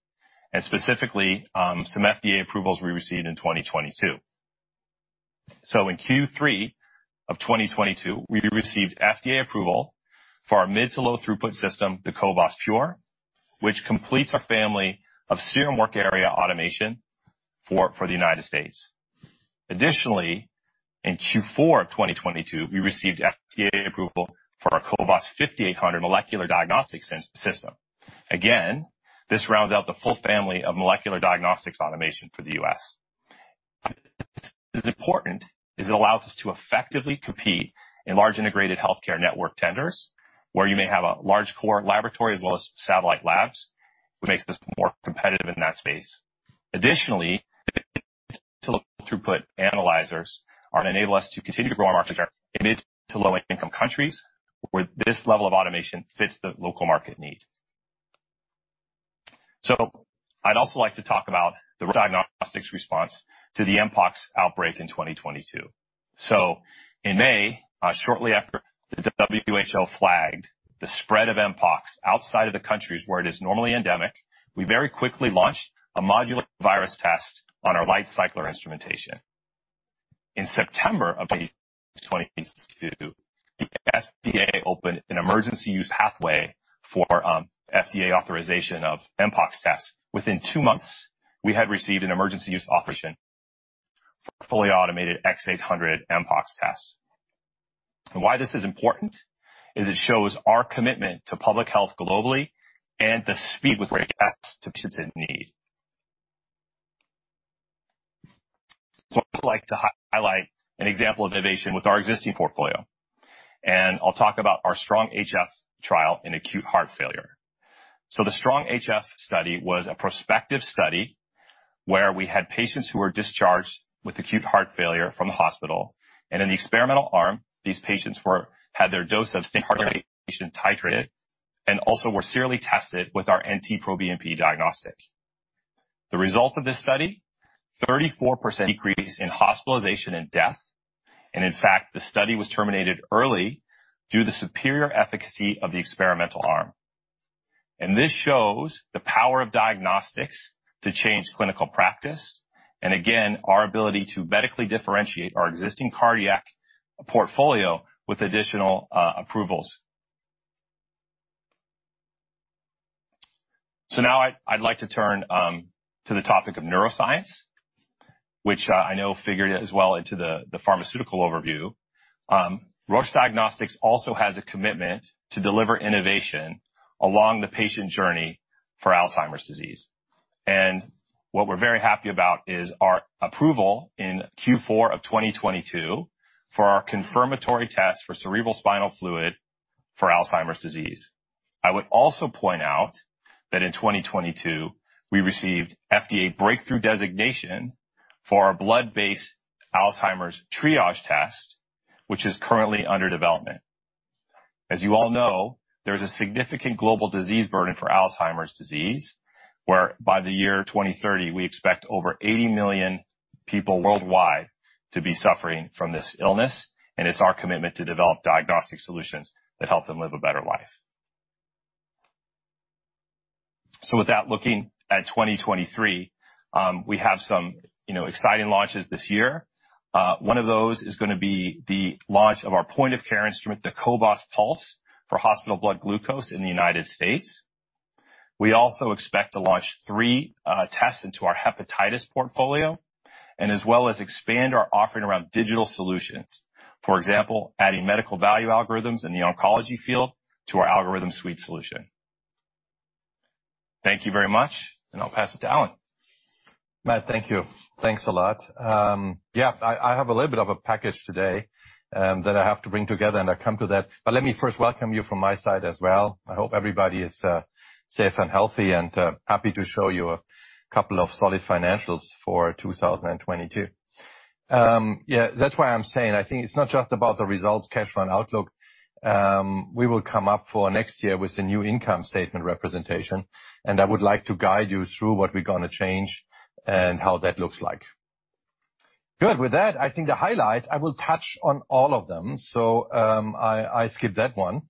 and specifically, some FDA approvals we received in 2022. In Q3 of 2022, we received FDA approval for our mid-to-low throughput system, the cobas pure, which completes our family of serum work area automation for the United States. In Q4 of 2022, we received FDA approval for our cobas 5800 molecular diagnostics system. Again, this rounds out the full family of molecular diagnostics automation for the US. This is important as it allows us to effectively compete in large integrated healthcare network tenders, where you may have a large core laboratory as well as satellite labs, which makes us more competitive in that space. Additionally, to the throughput analyzers are enable us to continue to grow our market share in mid-to-low income countries where this level of automation fits the local market need. I'd also like to talk about the diagnostics response to the mpox outbreak in 2022. In May, shortly after the WHO flagged the spread of mpox outside of the countries where it is normally endemic, we very quickly launched a modular virus test on our LightCycler instrumentation. In September of 2022, the FDA opened an emergency use pathway for FDA authorization of mpox tests. Within two months, we had received an Emergency Use Authorization for fully automated 8800 mpox tests. Why this is important is it shows our commitment to public health globally and the speed with which to the need. I'd like to highlight an example of innovation with our existing portfolio, and I'll talk about our STRONG-HF trial in acute heart failure. The STRONG-HF study was a prospective study where we had patients who were discharged with acute heart failure from the hospital. In the experimental arm, these patients had their dose of titrated and also were serially tested with our NT-proBNP diagnostic. The results of this study, 34% decrease in hospitalization and death. In fact, the study was terminated early due to the superior efficacy of the experimental arm. This shows the power of diagnostics to change clinical practice, and again, our ability to medically differentiate our existing cardiac portfolio with additional approvals. Now I'd like to turn to the topic of neuroscience, which I know figured as well into the pharmaceutical overview. Roche Diagnostics also has a commitment to deliver innovation along the patient journey for Alzheimer's disease. What we're very happy about is our approval in Q4 of 2022 for our confirmatory test for cerebral spinal fluid for Alzheimer's disease. I would also point out that in 2022, we received FDA Breakthrough Designation for our blood-based Alzheimer's triage test, which is currently under development. As you all know, there's a significant global disease burden for Alzheimer's disease, where by the year 2030, we expect over 80 million people worldwide to be suffering from this illness. It's our commitment to develop diagnostic solutions that help them live a better life. With that, looking at 2023, we have some, you know, exciting launches this year. One of those is gonna be the launch of our point of care instrument, the Cobas Pulse, for hospital blood glucose in the United States. We also expect to launch three tests into our hepatitis portfolio and as well as expand our offering around digital solutions. For example, adding medical value algorithms in the oncology field to our algorithm suite solution. Thank you very much, I'll pass it to Alan. Matt, thank you. Thanks a lot. Yeah, I have a little bit of a package today that I have to bring together, and I come to that. Let me first welcome you from my side as well. I hope everybody is safe and healthy, and happy to show you a couple of solid financials for 2022. Yeah, that's why I'm saying, I think it's not just about the results, cash flow and outlook. We will come up for next year with a new income statement representation, and I would like to guide you through what we're gonna change and how that looks like. Good. With that, I think the highlights, I will touch on all of them. I skip that one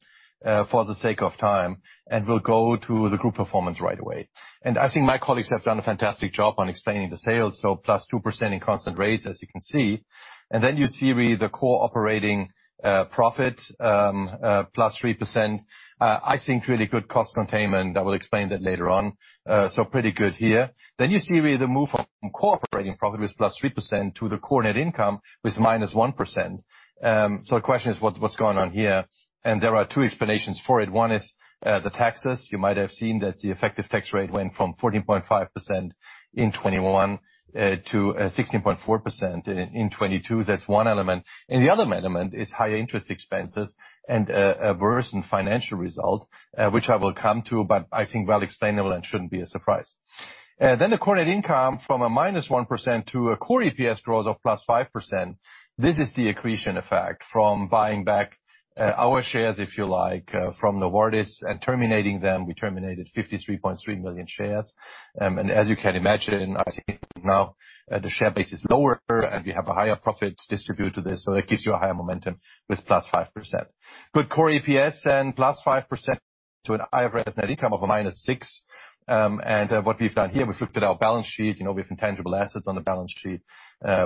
for the sake of time, and we'll go to the group performance right away. I think my colleagues have done a fantastic job on explaining the sales, so +2% in constant rates, as you can see. You see really the core operating profit +3%. I think really good cost containment. I will explain that later on. Pretty good here. You see really the move from core operating profit with +3% to the core net income with -1%. The question is, what's going on here? There are two explanations for it. One is the taxes. You might have seen that the effective tax rate went from 14.5% in 2021 to 16.4% in 2022. That's one element. The other element is higher interest expenses and a worse in financial result, which I will come to, but I think well explainable and shouldn't be a surprise. The core net income from a -1% to a core EPS growth of +5%. This is the accretion effect from buying back our shares, if you like, from Novartis and terminating them. We terminated 53.3 million shares. As you can imagine, I think now the share base is lower, and we have a higher profit distributed this, so it gives you a higher momentum with +5%. Good core EPS and +5% to an IFRS net income of a -6%. What we've done here, we've looked at our balance sheet. You know, we have intangible assets on the balance sheet.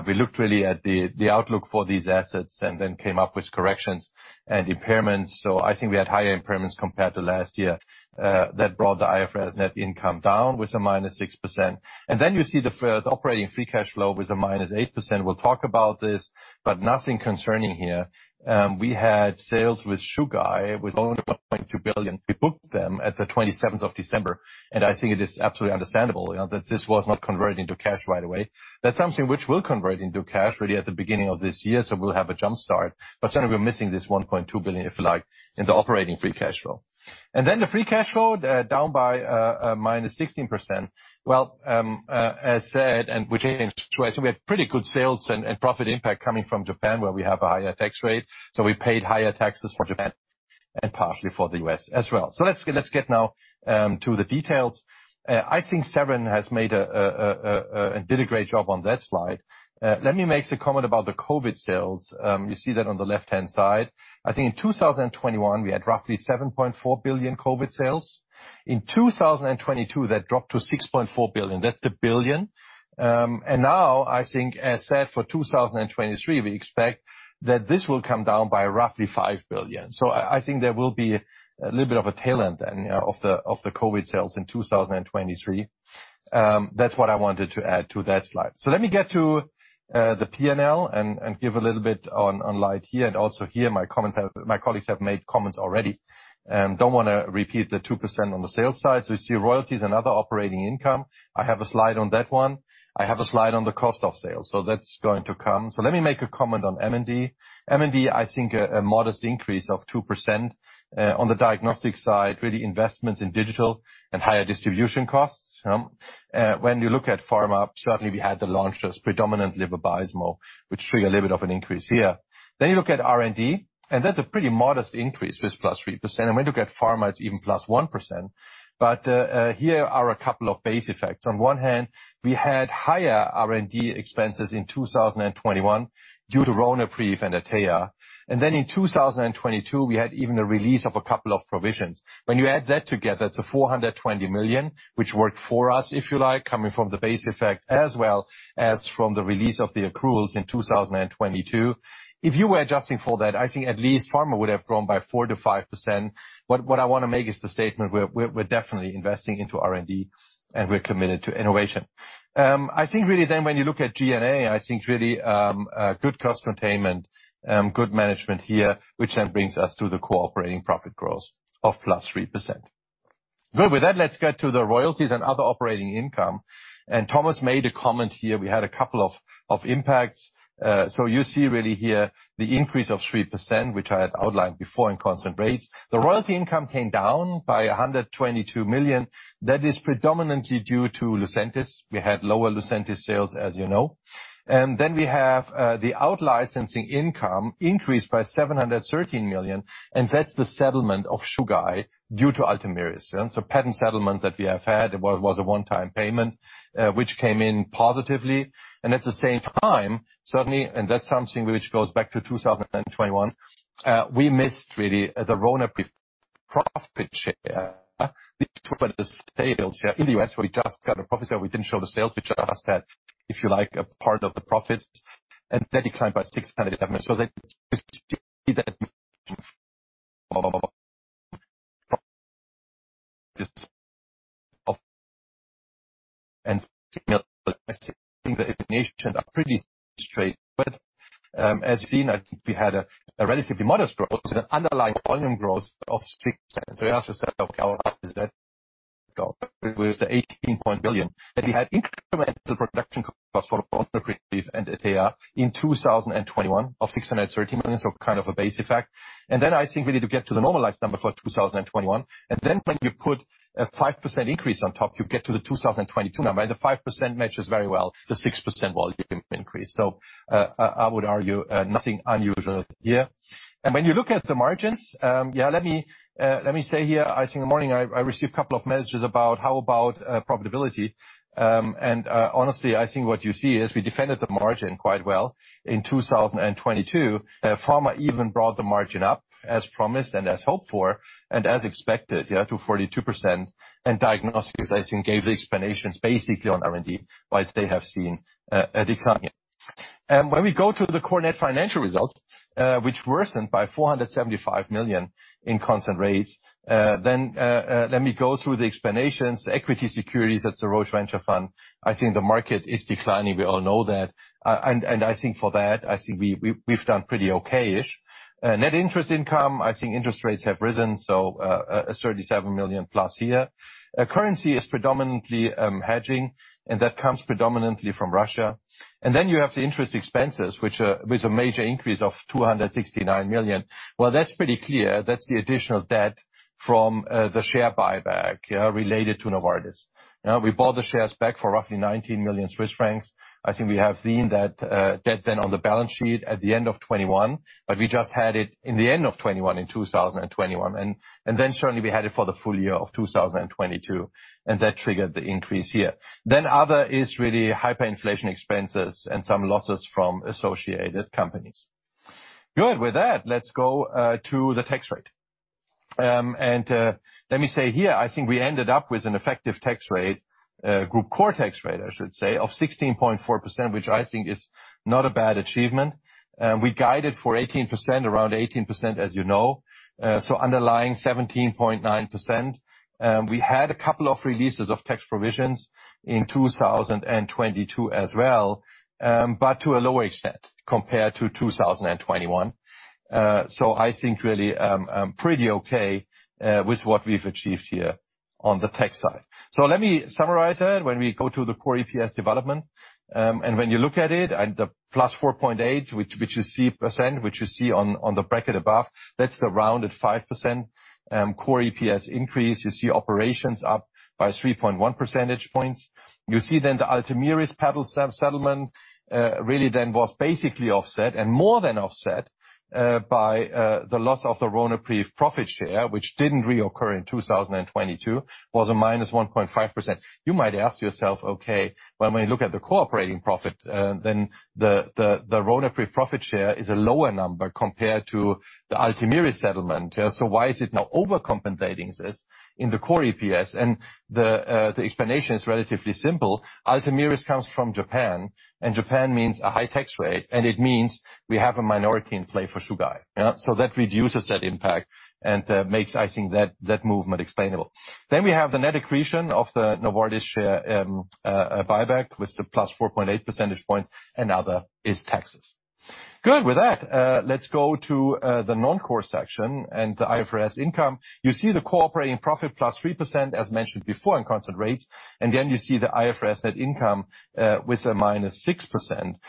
We looked really at the outlook for these assets came up with corrections and impairments. I think we had higher impairments compared to last year that brought the IFRS net income down with a -6%. You see the operating free cash flow with a -8%. We'll talk about this, nothing concerning here. We had sales with Chugai with 1.2 billion. We booked them at the 27th of December, I think it is absolutely understandable, you know, that this was not converted into cash right away. That's something which will convert into cash really at the beginning of this year, we'll have a jump start. Certainly, we're missing this 1.2 billion, if you like, in the operating free cash flow. The free cash flow down by -16%. Well, as said, which explains why. We had pretty good sales and profit impact coming from Japan, where we have a higher tax rate. We paid higher taxes for Japan and partially for the U.S. as well. Let's get now to the details. I think Severin has made a great job on that slide. Let me make the comment about the COVID sales. You see that on the left-hand side. I think in 2021, we had roughly 7.4 billion COVID sales. In 2022, that dropped to 6.4 billion. That's the billion. I think as said for 2023, we expect that this will come down by roughly 5 billion. I think there will be a little bit of a tail end then, of the COVID sales in 2023. That's what I wanted to add to that slide. Let me get to the P&L and give a little bit on light here, and also here my colleagues have made comments already. Don't wanna repeat the 2% on the sales side. You see royalties and other operating income. I have a slide on that one. I have a slide on the cost of sales. That's going to come. Let me make a comment on M&D. M&D, I think a modest increase of 2% on the diagnostic side, really investments in digital and higher distribution costs. When you look at pharma, certainly we had the launches predominantly by Vabysmo, which trigger a little bit of an increase here. You look at R&D, and that's a pretty modest increase with +3%. When you look at pharma, it's even +1%. Here are a couple of base effects. On one hand, we had higher R&D expenses in 2021 due to Ronapreve and AT-527. In 2022, we had even a release of a couple of provisions. When you add that together, it's a 420 million, which worked for us, if you like, coming from the base effect as well as from the release of the accruals in 2022. If you were adjusting for that, I think at least pharma would have grown by 4%-5%. What I wanna make is the statement we're definitely investing into R&D, and we're committed to innovation. I think really then when you look at GNA, I think really good cost containment, good management here, which then brings us to the cooperating profit growth of +3%. Good. With that, let's get to the royalties and other operating income. Thomas made a comment here. We had a couple of impacts. You see really here the increase of 3%, which I had outlined before in constant rates. The royalty income came down by 122 million. That is predominantly due to Lucentis. We had lower Lucentis sales, as you know. Then we have the out-licensing income increased by 713 million, that's the settlement of Chugai due to Ultomiris. Patent settlement that we have had was a one-time payment, which came in positively. At the same time, certainly, that's something which goes back to 2021, we missed really the Ronapreve profit share in the U.S.. We just got a profit share. We didn't show the sales. We just had, if you like, a part of the profits, and that declined by 670 million. The explanations are pretty straightforward. As you've seen, I think we had a relatively modest growth and an underlying volume growth of 6%. You ask yourself, "How is that?" It was the $18 point billion. You had incremental production costs for Ronapreve and AT-527 in 2021 of $630 million, so kind of a base effect. I think we need to get to the normalized number for 2021. When you put a 5% increase on top, you get to the 2022 number. The 5% matches very well the 6% volume increase. I would argue, nothing unusual here. When you look at the margins, let me say here, I think in the morning I received a couple of messages about how about profitability. Honestly, I think what you see is we defended the margin quite well in 2022. Pharma even brought the margin up as promised and as hoped for and as expected, to 42%. Diagnostics, I think, gave the explanations basically on R&D, whilst they have seen a decline here. When we go to the core net financial results, which worsened by 475 million in constant rates, let me go through the explanations. Equity securities, that's the Roche Venture Fund. I think the market is declining. We all know that. I think for that, I think we've done pretty okay-ish. Net interest income, I think interest rates have risen, 37 million+ here. Currency is predominantly hedging, that comes predominantly from Russia. You have the interest expenses, with a major increase of 269 million. Well, that's pretty clear. That's the additional debt from the share buyback, yeah, related to Novartis. We bought the shares back for roughly 19 million Swiss francs. I think we have seen that debt then on the balance sheet at the end of 2021, we just had it in the end of 2021, in 2021. Certainly we had it for the full year of 2022, that triggered the increase here. Other is really hyperinflation expenses and some losses from associated companies. Good. With that, let's go to the tax rate. Let me say here, I think we ended up with an effective tax rate, group Core tax rate, I should say, of 16.4%, which I think is not a bad achievement. We guided for 18%, around 18%, as you know. Underlying 17.9%. We had a couple of releases of tax provisions in 2022 as well, but to a lower extent compared to 2021. I think really, pretty okay, with what we've achieved here on the tax side. Let me summarize then when we go to the Core EPS development. When you look at it, and the +4.8%, which you see on the bracket above, that's the rounded 5% Core EPS increase. You see operations up by 3.1 percentage points. You see then the Ultomiris settlement really then was basically offset and more than offset by the loss of the Ronapreve profit share, which didn't reoccur in 2022, was a -1.5%. You might ask yourself, "Okay, when we look at the cooperating profit, then the Ronapreve profit share is a lower number compared to the Ultomiris settlement. Why is it now overcompensating this in the Core EPS?" The explanation is relatively simple. Ultomiris comes from Japan. Japan means a high tax rate. It means we have a minority in play for Chugai. Yeah. That reduces that impact and makes, I think, that movement explainable. We have the net accretion of the Novartis share buyback with the +4.8 percentage points. Other is taxes. Good. With that, let's go to the non-core section and the IFRS income. You see the cooperating profit +3%, as mentioned before in constant rates. You see the IFRS net income with a -6%.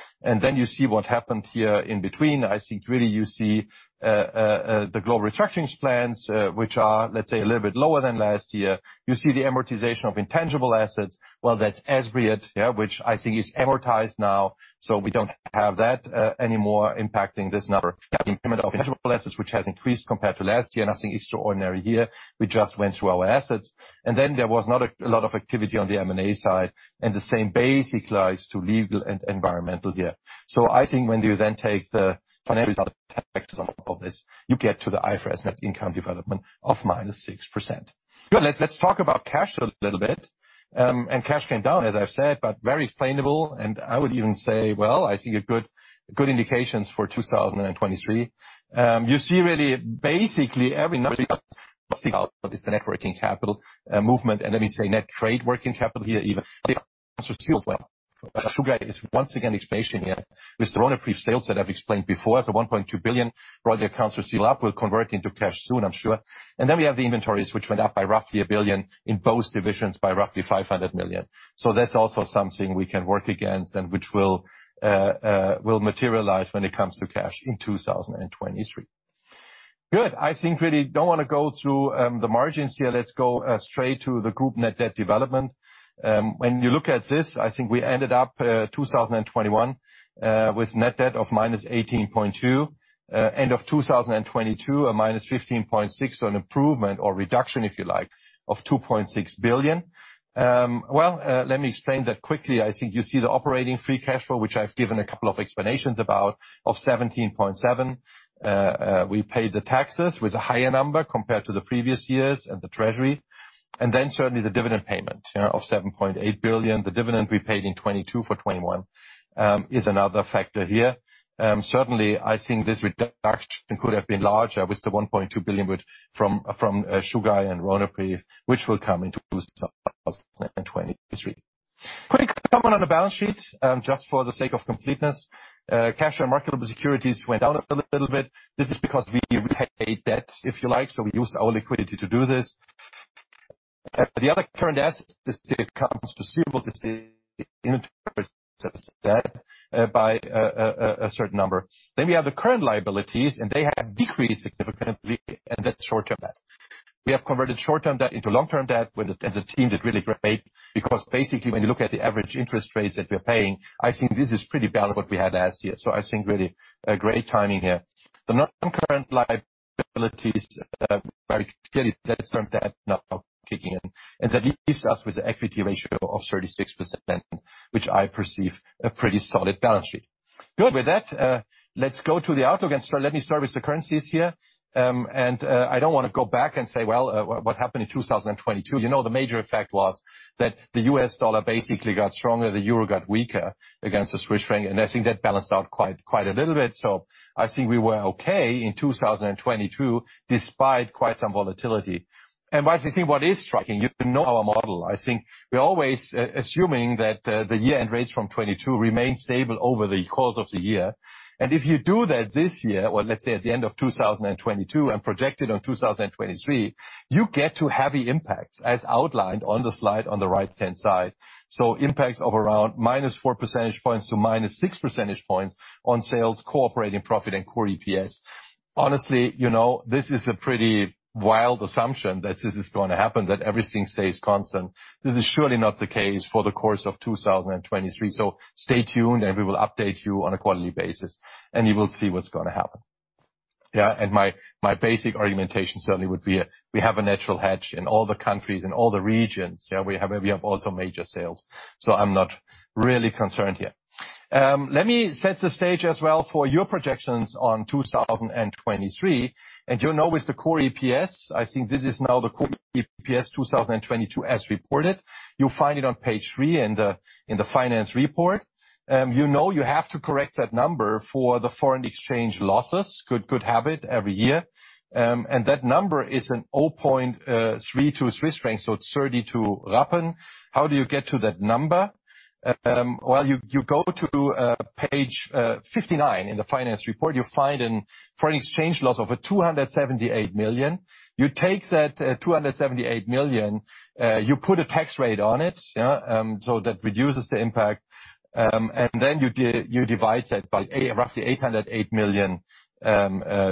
You see what happened here in between. I think really you see the global restructurings plans, which are, let's say, a little bit lower than last year. You see the amortization of intangible assets. Well, that's ASRIAT, yeah, which I think is amortized now, so we don't have that anymore impacting this number. Impairment of intangible assets, which has increased compared to last year. Nothing extraordinary here. We just went through our assets. There was not a lot of activity on the M&A side, and the same basic lies to legal and environmental year. I think when you then take the financial factors on top of this, you get to the IFRS net income development of -6%. Good. Let's talk about cash a little bit. Cash came down, as I've said, but very explainable. I would even say, well, I think a good indications for 2023. You see really basically every number stands out. It's the net working capital movement, and let me say net trade working capital here even. Chugai is once again expansion here with the Ronapreve sales that I've explained before. The 1.2 billion brought the accounts receivable up. We'll convert into cash soon, I'm sure. We have the inventories, which went up by roughly 1 billion in both divisions by roughly 500 million. That's also something we can work against and which will materialize when it comes to cash in 2023. Good. I think really don't wanna go through the margins here. Let's go straight to the group net debt development. When you look at this, I think we ended up 2021 with net debt of -18.2 billion. End of 2022, a -15.6, an improvement or reduction, if you like, of 2.6 billion. Well, let me explain that quickly. I think you see the operating free cash flow, which I've given a couple of explanations about, of 17.7. We paid the taxes with a higher number compared to the previous years and the treasury. Certainly the dividend payment, you know, of 7.8 billion. The dividend we paid in 2022 for 2021 is another factor here. Certainly I think this reduction could have been larger with the 1.2 billion from Chugai and Ronapreve, which will come in 2023. Quick comment on the balance sheet, just for the sake of completeness. Cash and marketable securities went down a little bit. This is because we repaid debt, if you like, so we used our liquidity to do this. The other current assets comes to receivables by a certain number. We have the current liabilities, and they have decreased significantly, and that's short-term debt. We have converted short-term debt into long-term debt as a team did really great, because basically, when you look at the average interest rates that we're paying, I think this is pretty balanced what we had last year. I think really a great timing here. The non-current liabilities, very clearly that's from that now kicking in, and that leaves us with an equity ratio of 36%, which I perceive a pretty solid balance sheet. Good. With that, let's go to the outlook and start. Let me start with the currencies here. I don't wanna go back and say, what happened in 2022? You know, the major effect was that the US dollar basically got stronger, the euro got weaker against the Swiss franc, I think that balanced out quite a little bit. I think we were okay in 2022 despite quite some volatility. I think what is striking, you know our model. I think we're always assuming that the year-end rates from 2022 remain stable over the course of the year. If you do that this year or let's say at the end of 2022 and project it on 2023, you get two heavy impacts as outlined on the slide on the right-hand side. Impacts of around minus four percentage points to minus six percentage points on sales, cooperating profit, and Core EPS. Honestly, you know, this is a pretty wild assumption that this is gonna happen, that everything stays constant. This is surely not the case for the course of 2023. Stay tuned and we will update you on a quarterly basis, and you will see what's gonna happen. Yeah. My basic argumentation certainly would be, we have a natural hedge in all the countries, in all the regions. Yeah, we have also major sales. I'm not really concerned here. Let me set the stage as well for your projections on 2023. You know with the Core EPS, I think this is now the Core EPS 2022 as reported. You'll find it on page three in the finance report. You know you have to correct that number for the foreign exchange losses. Good habit every year. That number is an 0.32 Swiss franc, so it's 32 rappen. How do you get to that number? Well, you go to page 59 in the finance report. You find an foreign exchange loss of a 278 million. You take that 278 million, you put a tax rate on it, yeah, that reduces the impact. Then you divide that by roughly 808 million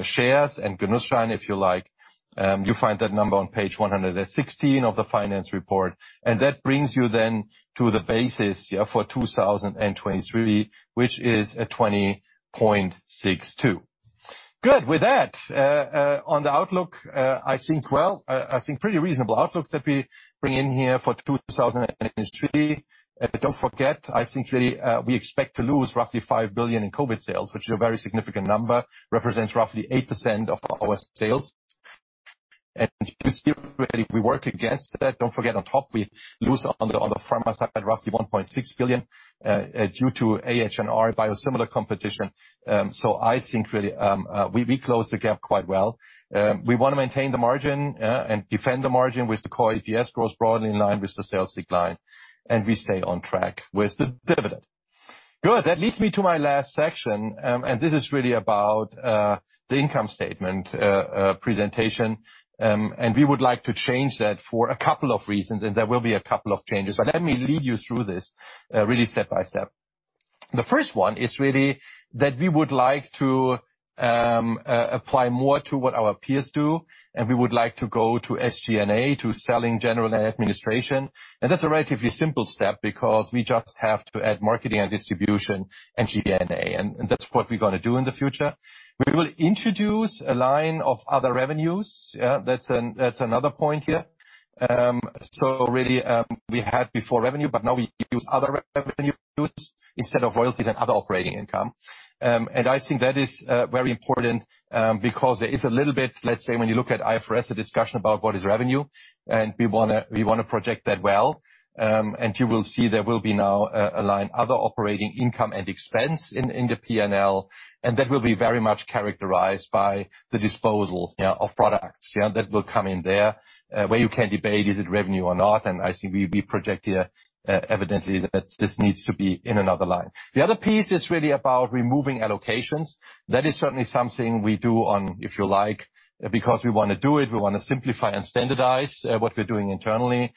shares and Genussrechte, if you like. You find that number on page 116 of the finance report. That brings you then to the basis for 2023, which is a 20.62. Good. With that on the outlook, I think, well, pretty reasonable outlook that we bring in here for 2023. Don't forget, I think really, we expect to lose roughly 5 billion in COVID sales, which is a very significant number. Represents roughly 8% of our sales. We work against that. Don't forget, on top we lose on the pharma side roughly 1.6 billion due to AHNR biosimilar competition. I think really, we close the gap quite well. We wanna maintain the margin, and defend the margin with the Core EPS growth broadly in line with the sales decline, and we stay on track with the dividend. Good. That leads me to my last section, and this is really about, the income statement, presentation. We would like to change that for a couple of reasons, and there will be a couple of changes. Let me lead you through this, really step-by-step. The first one is really that we would like to, apply more to what our peers do, and we would like to go to SG&A, to selling general and administration. That's a relatively simple step because we just have to add marketing and distribution and G&A, and that's what we're gonna do in the future. We will introduce a line of other revenues. Yeah, that's another point here. Really, we had before revenue, but now we use other revenues instead of royalties and other operating income. I think that is very important because there is a little bit, let's say, when you look at IFRS, the discussion about what is revenue, and we wanna project that well. You will see there will be now a line other operating income and expense in the P&L, and that will be very much characterized by the disposal, yeah, of products, yeah. That will come in there, where you can debate is it revenue or not, and I think we project here, evidently that this needs to be in another line. The other piece is really about removing allocations. That is certainly something we do on, if you like, because we wanna do it, we wanna simplify and standardize what we're doing internally.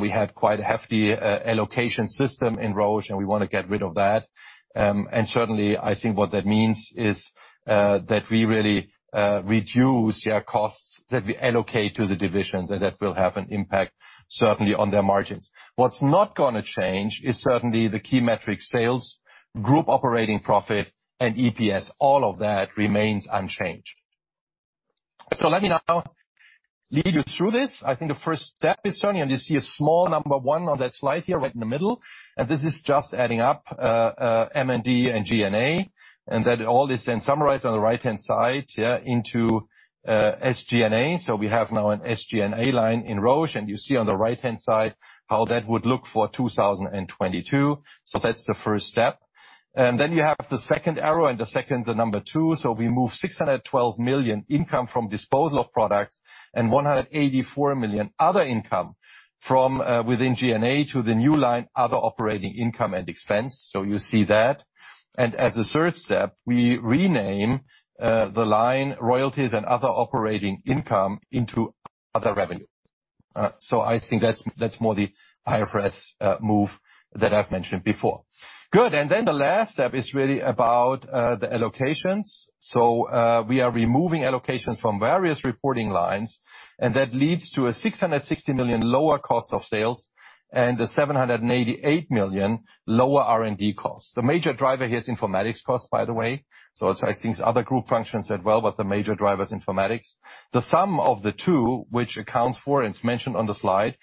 We had quite a hefty allocation system in Roche, and we wanna get rid of that. Certainly I think what that means is that we really reduce, yeah, costs that we allocate to the divisions, and that will have an impact certainly on their margins. What's not gonna change is certainly the key metric sales, group operating profit and EPS. All of that remains unchanged. Let me now lead you through this. I think the first step is certainly, and you see a small number one on that slide here right in the middle, and this is just adding up M&D and G&A, and that all is then summarized on the right-hand side into SG&A. We have now an SG&A line in Roche, and you see on the right-hand side how that would look for 2022. That's the first step. You have the second arrow and the number two. We move 612 million income from disposal of products and 184 million other income from within G&A to the new line other operating income and expense. You see that. As a third step, we rename the line royalties and other operating income into other revenue. I think that's more the IFRS move that I've mentioned before. Good. The last step is really about the allocations. We are removing allocations from various reporting lines, and that leads to a 660 million lower cost of sales and a 788 million lower R&D costs. The major driver here is informatics cost, by the way. I think it's other group functions as well, but the major driver's informatics. The sum of the two, which accounts for, and it's mentioned on the slide,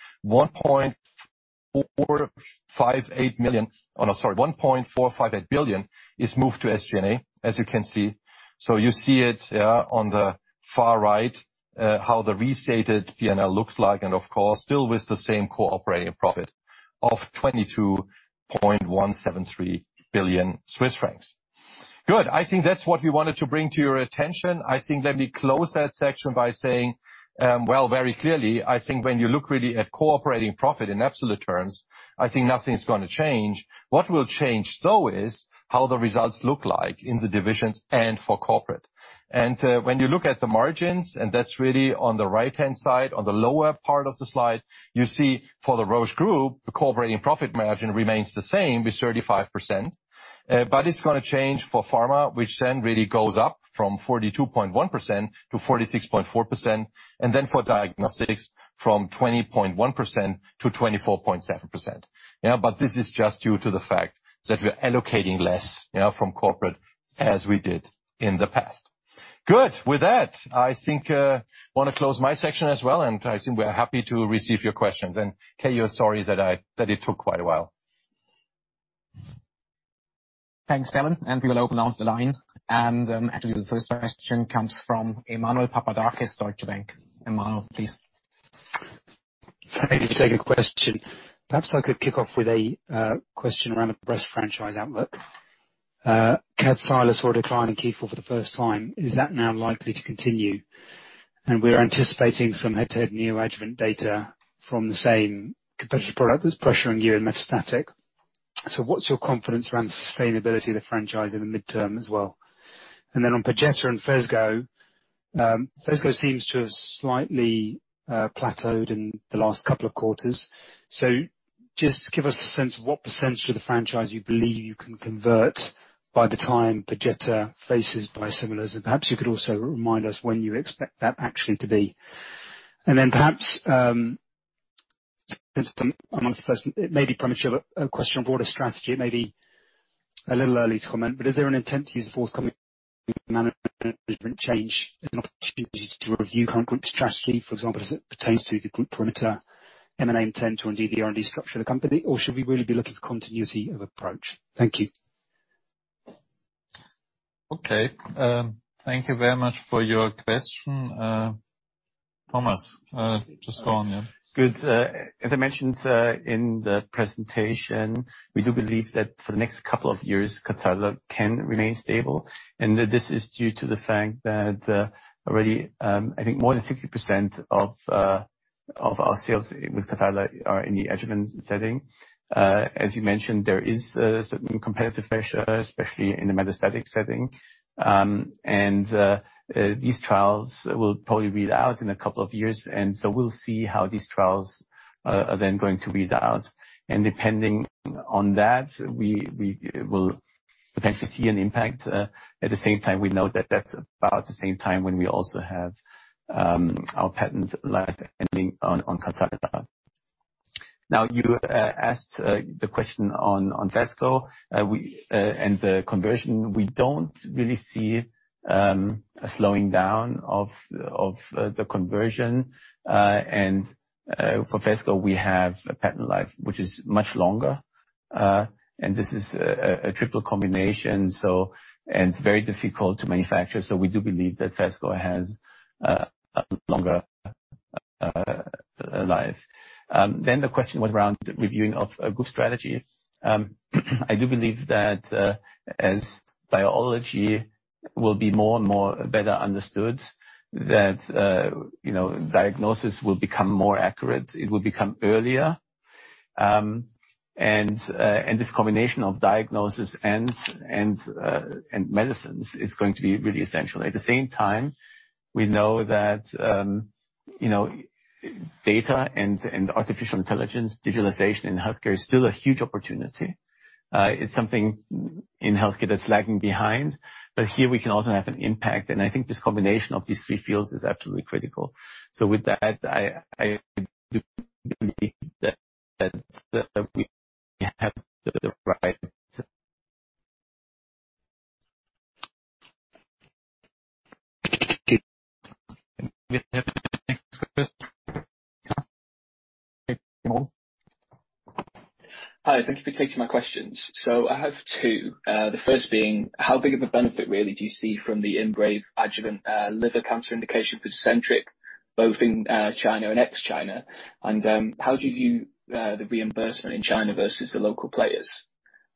1.458 billion is moved to SG&A, as you can see. You see it, yeah, on the far right, how the restated P&L looks like and of course still with the same core operating profit of 22.173 billion Swiss francs. Good. I think that's what we wanted to bring to your attention. I think let me close that section by saying, well, very clearly, I think when you look really at core operating profit in absolute terms, I think nothing's gonna change. What will change, though, is how the results look like in the divisions and for corporate. When you look at the margins, and that's really on the right-hand side, on the lower part of the slide, you see for the Roche Group, the core operating profit margin remains the same with 35%. It's gonna change for Pharma, which then really goes up from 42.1%-46.4%, and then for Diagnostics from 20.1%-24.7%. Yeah. This is just due to the fact that we are allocating less, yeah, from Corporate as we did in the past. Good. With that, I think, wanna close my section as well, and I think we are happy to receive your questions. Okay, you're sorry that it took quite a while. Thanks, Alan, and we will open up the line. Actually, the first question comes from Emmanuel Papadakis, Deutsche Bank. Emmanuel, please. Thank you for taking the question. Perhaps I could kick off with a question around the breast franchise outlook. Kadcyla saw a decline in key for the first time. Is that now likely to continue? We're anticipating some head-to-head neoadjuvant data from the same competitive product that's pressuring you in metastatic. What's your confidence around sustainability of the franchise in the midterm as well? On Perjeta and Phesgo seems to have slightly plateaued in the last couple of quarters. Just give us a sense of what % of the franchise you believe you can convert by the time Perjeta faces biosimilars, and perhaps you could also remind us when you expect that actually to be. Then perhaps, since I'm amongst the first, it may be premature, but a question on broader strategy. It may be a little early to comment, but is there an intent to use the forthcoming management change as an opportunity to review current group strategy, for example, as it pertains to the group perimeter M&A intent to indeed the R&D structure of the company? Should we really be looking for continuity of approach? Thank you. Okay. Thank you very much for your question. Thomas, just go on, yeah. Good. as I mentioned, in the presentation, we do believe that for the next couple of years, Kadcyla can remain stable, and that this is due to the fact that, already, I think more than 60% of. Of our sales with Kadcyla are in the adjuvant setting. As you mentioned, there is certain competitive pressure, especially in the metastatic setting. These trials will probably read out in a couple of years. We'll see how these trials are then going to read out. Depending on that, we will potentially see an impact. At the same time, we know that that's about the same time when we also have our patent life ending on Kadcyla. Now, you asked the question on Phesgo. The conversion. We don't really see a slowing down of the conversion. For Phesgo, we have a patent life which is much longer. This is a triple combination and very difficult to manufacture. We do believe that Vesco has a longer life. The question was around reviewing of group strategy. I do believe that as biology will be more and more better understood, that, you know, diagnosis will become more accurate, it will become earlier. This combination of diagnosis and medicines is going to be really essential. At the same time, we know that, you know, data and artificial intelligence, digitalization in healthcare is still a huge opportunity. It's something in healthcare that's lagging behind. Here we can also have an impact. I think this combination of these three fields is absolutely critical. With that, I do believe that we have the right. Hi, thank you for taking my questions. I have two. The first being, how big of a benefit really do you see from the IMbrave adjuvant liver cancer indication for Tecentriq, both in China and ex-China? How do you view the reimbursement in China versus the local players?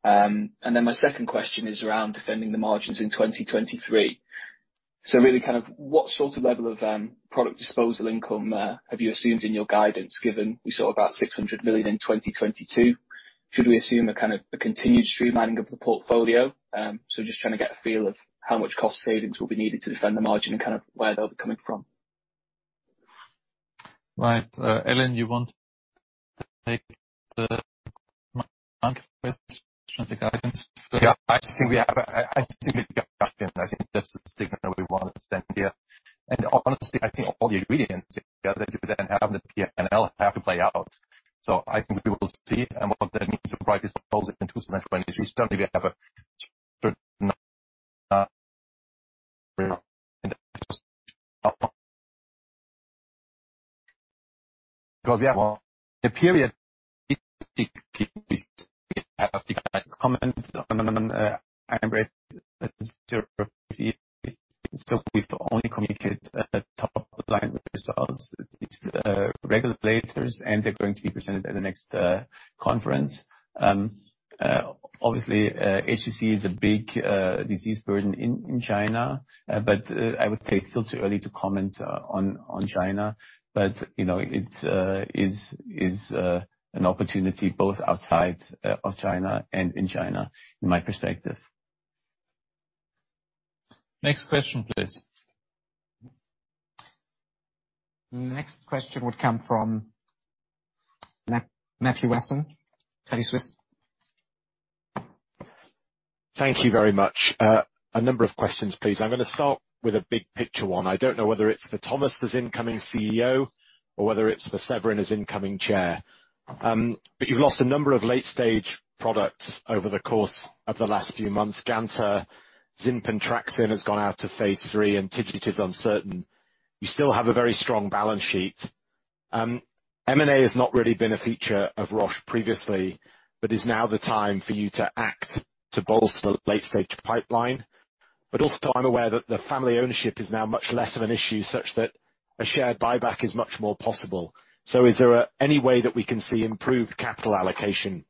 My second question is around defending the margins in 2023. Really kind of what sort of level of product disposal income have you assumed in your guidance, given we saw about 600 million in 2022? Should we assume a continued streamlining of the portfolio? Just trying to get a feel of how much cost savings will be needed to defend the margin and kind of where they'll be coming from. Right. Alan, you want to take the margin question of the guidance? I think we have a significant question. I think that's the statement we want to extend here. Honestly, I think all the ingredients together to then have the PNL have to play out. I think we will see. What that means for price controls in 2022, Because we have a period comments on IMbrave, we've only communicated at the top line with ourselves, regulators, and they're going to be presented at the next conference. Obviously, HCC is a big disease burden in China, but I would say it's still too early to comment on China. You know, it is an opportunity both outside of China and in China, in my perspective. Next question, please. Next question would come from Matthew Weston, Credit Suisse. Thank you very much. A number of questions, please. I'm gonna start with a big picture one. I don't know whether it's for Thomas as incoming CEO or whether it's for Severin as incoming Chair. You've lost a number of late-stage products over the course of the last few months. Gantenerumab, Zinpentraxin has gone out to phase III, and TIGIT is uncertain. You still have a very strong balance sheet. M&A has not really been a feature of Roche previously, is now the time for you to act to bolster the late-stage pipeline? Also, I'm aware that the family ownership is now much less of an issue such that a share buyback is much more possible. Is there any way that we can see improved capital allocation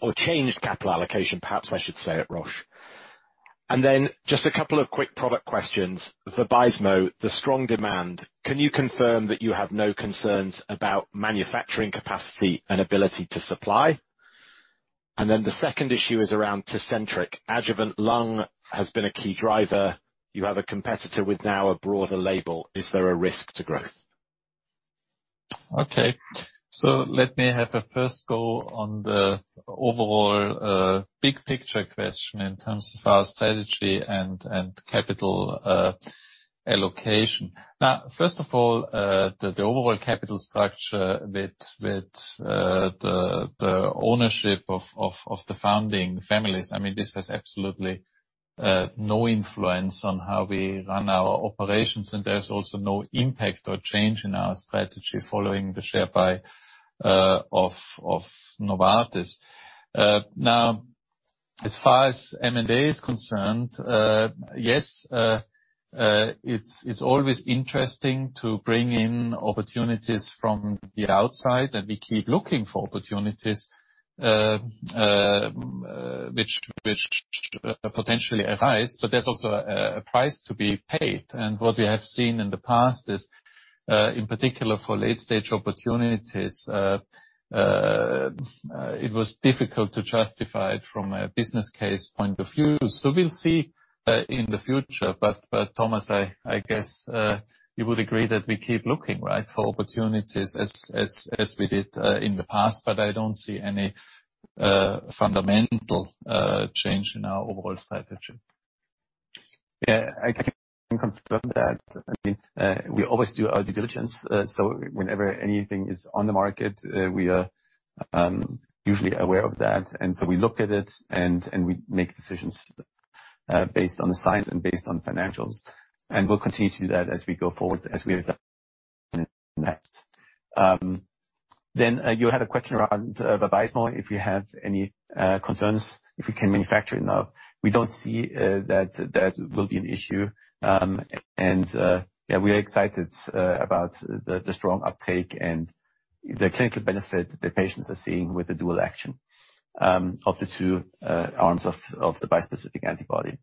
or changed capital allocation, perhaps I should say, at Roche? Just a couple of quick product questions. Vabysmo, the strong demand. Can you confirm that you have no concerns about manufacturing capacity and ability to supply? The second issue is around Tecentriq. Adjuvant lung has been a key driver. You have a competitor with now a broader label. Is there a risk to growth? Okay. Let me have a first go on the overall big picture question in terms of our strategy and capital allocation. First of all, the overall capital structure with the ownership of the founding families, I mean, this has absolutely no influence on how we run our operations, and there's also no impact or change in our strategy following the share buy of Novartis. As far as M&A is concerned, yes, it's always interesting to bring in opportunities from the outside, and we keep looking for opportunities. which potentially arise, but there's also a price to be paid. What we have seen in the past is in particular for late-stage opportunities, it was difficult to justify it from a business case point of view. We'll see in the future. Thomas, I guess, you would agree that we keep looking, right, for opportunities as we did in the past, but I don't see any fundamental change in our overall strategy. Yeah. I can confirm that. I mean, we always do our due diligence. So whenever anything is on the market, we are usually aware of that. We look at it, and we make decisions, based on the science and based on financials. We'll continue to do that as we go forward, as we have done in that. Then, you had a question around Vabysmo, if you have any concerns, if we can manufacture enough. We don't see that that will be an issue. Yeah, we are excited about the strong uptake and the clinical benefit the patients are seeing with the dual action of the two arms of the bispecific antibody.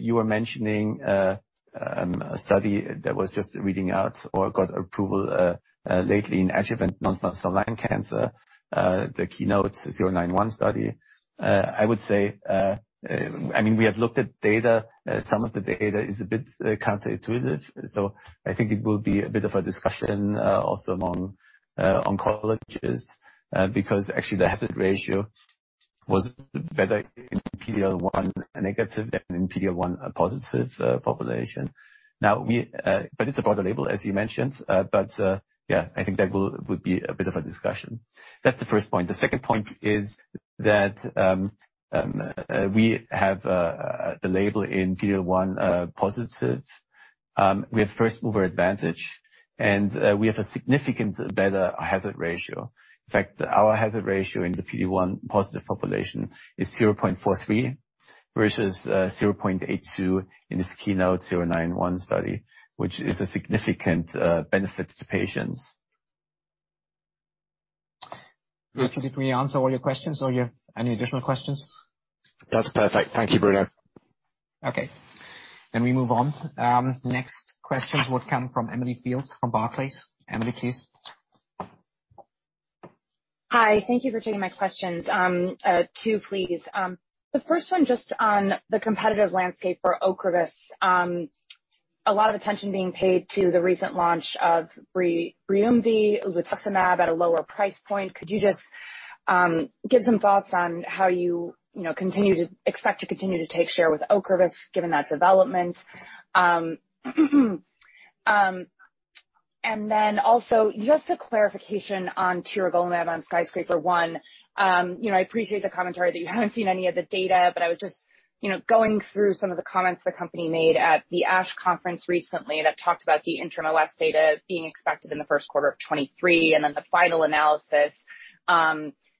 You were mentioning a study that was just reading out or got approval lately in adjuvant non-small cell lung cancer, the KEYNOTE-091 study. I would say, I mean, we have looked at data. Some of the data is a bit counterintuitive, I think it will be a bit of a discussion also among oncologists, because actually the hazard ratio was better in PD-L1 negative than in PD-L1 positive population. It's a broader label, as you mentioned. Yeah, I think that would be a bit of a discussion. That's the first point. The second point is that we have the label in PD-L1 positive. We have first mover advantage, and we have a significant better hazard ratio. In fact, our hazard ratio in the PD-L1 positive population is 0.43 versus 0.82 in this KEYNOTE-091 study, which is a significant benefit to patients. Did we answer all your questions or you have any additional questions? That's perfect. Thank you, Bruno. Okay. We move on. Next questions would come from Emily Field from Barclays. Emily, please. Hi. Thank you for taking my questions. Two, please. The first one just on the competitive landscape for Ocrevus. A lot of attention being paid to the recent launch of Briumvi, ublituximab, at a lower price point. Could you just give some thoughts on how you know, expect to continue to take share with Ocrevus given that development? Also just a clarification on tiragolumab on SKYSCRAPER-01. You know, I appreciate the commentary that you haven't seen any of the data, but I was just, you know, going through some of the comments the company made at the ASH conference recently that talked about the interim LS data being expected in the first quarter of 2023, and then the final analysis,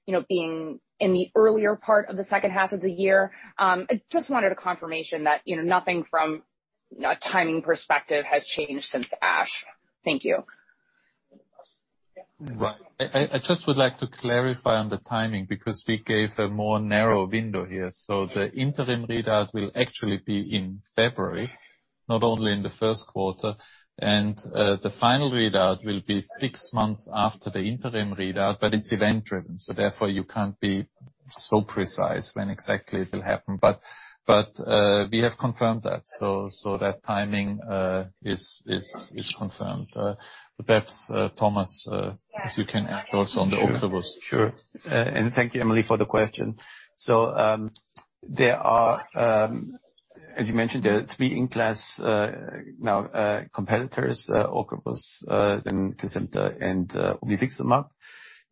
you know, being in the earlier part of the second half of the year. I just wanted a confirmation that, you know, nothing from a timing perspective has changed since ASH. Thank you. Right. I just would like to clarify on the timing because we gave a more narrow window here. The interim readout will actually be in February, not only in the first quarter. The final readout will be six months after the interim readout, but it's event-driven, so therefore you can't be so precise when exactly it will happen. We have confirmed that, so that timing is confirmed. Perhaps Thomas, if you can add also on the Ocrevus. Sure. Thank you, Emily, for the question. There are, as you mentioned, there are three in-class competitors, Ocrevus, then Kesimpta and obinutuzumab.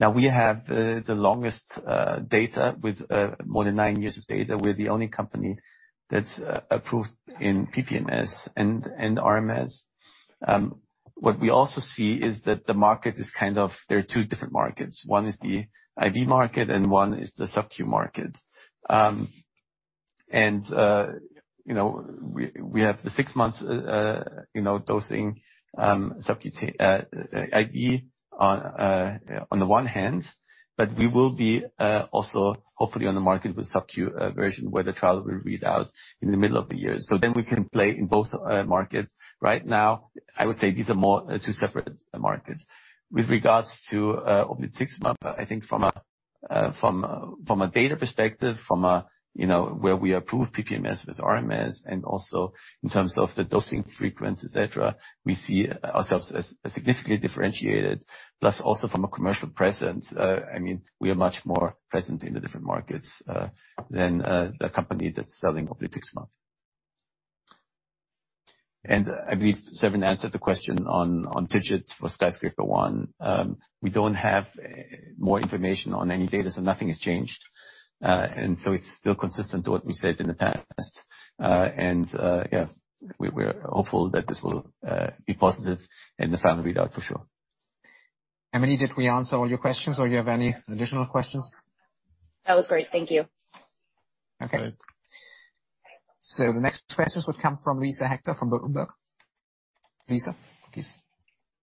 We have the longest data with more than nine years of data. We're the only company that's approved in PPMS and RMS. What we also see is that the market is kind of there are two different markets. One is the IV market and one is the subQ market. You know, we have the six months, you know, dosing, IV on the one hand, but we will be also hopefully on the market with subQ version, where the trial will read out in the middle of the year. We can play in both markets. Right now, I would say these are more, two separate markets. With regards to obinutuzumab, I think from a data perspective, from a, you know, where we approve PPMS with RMS and also in terms of the dosing frequency, et cetera, we see ourselves as significantly differentiated, plus also from a commercial presence. I mean, we are much more present in the different markets than the company that's selling obinutuzumab. I believe Severin answered the question on TIGIT for SKYSCRAPER-01. We don't have more information on any data, nothing has changed. It's still consistent to what we said in the past. Yeah, we're hopeful that this will be positive in the final readout for sure. Emily, did we answer all your questions or you have any additional questions? That was great. Thank you. Okay. The next questions would come from Luisa Hector from Bloomberg. Luisa, please.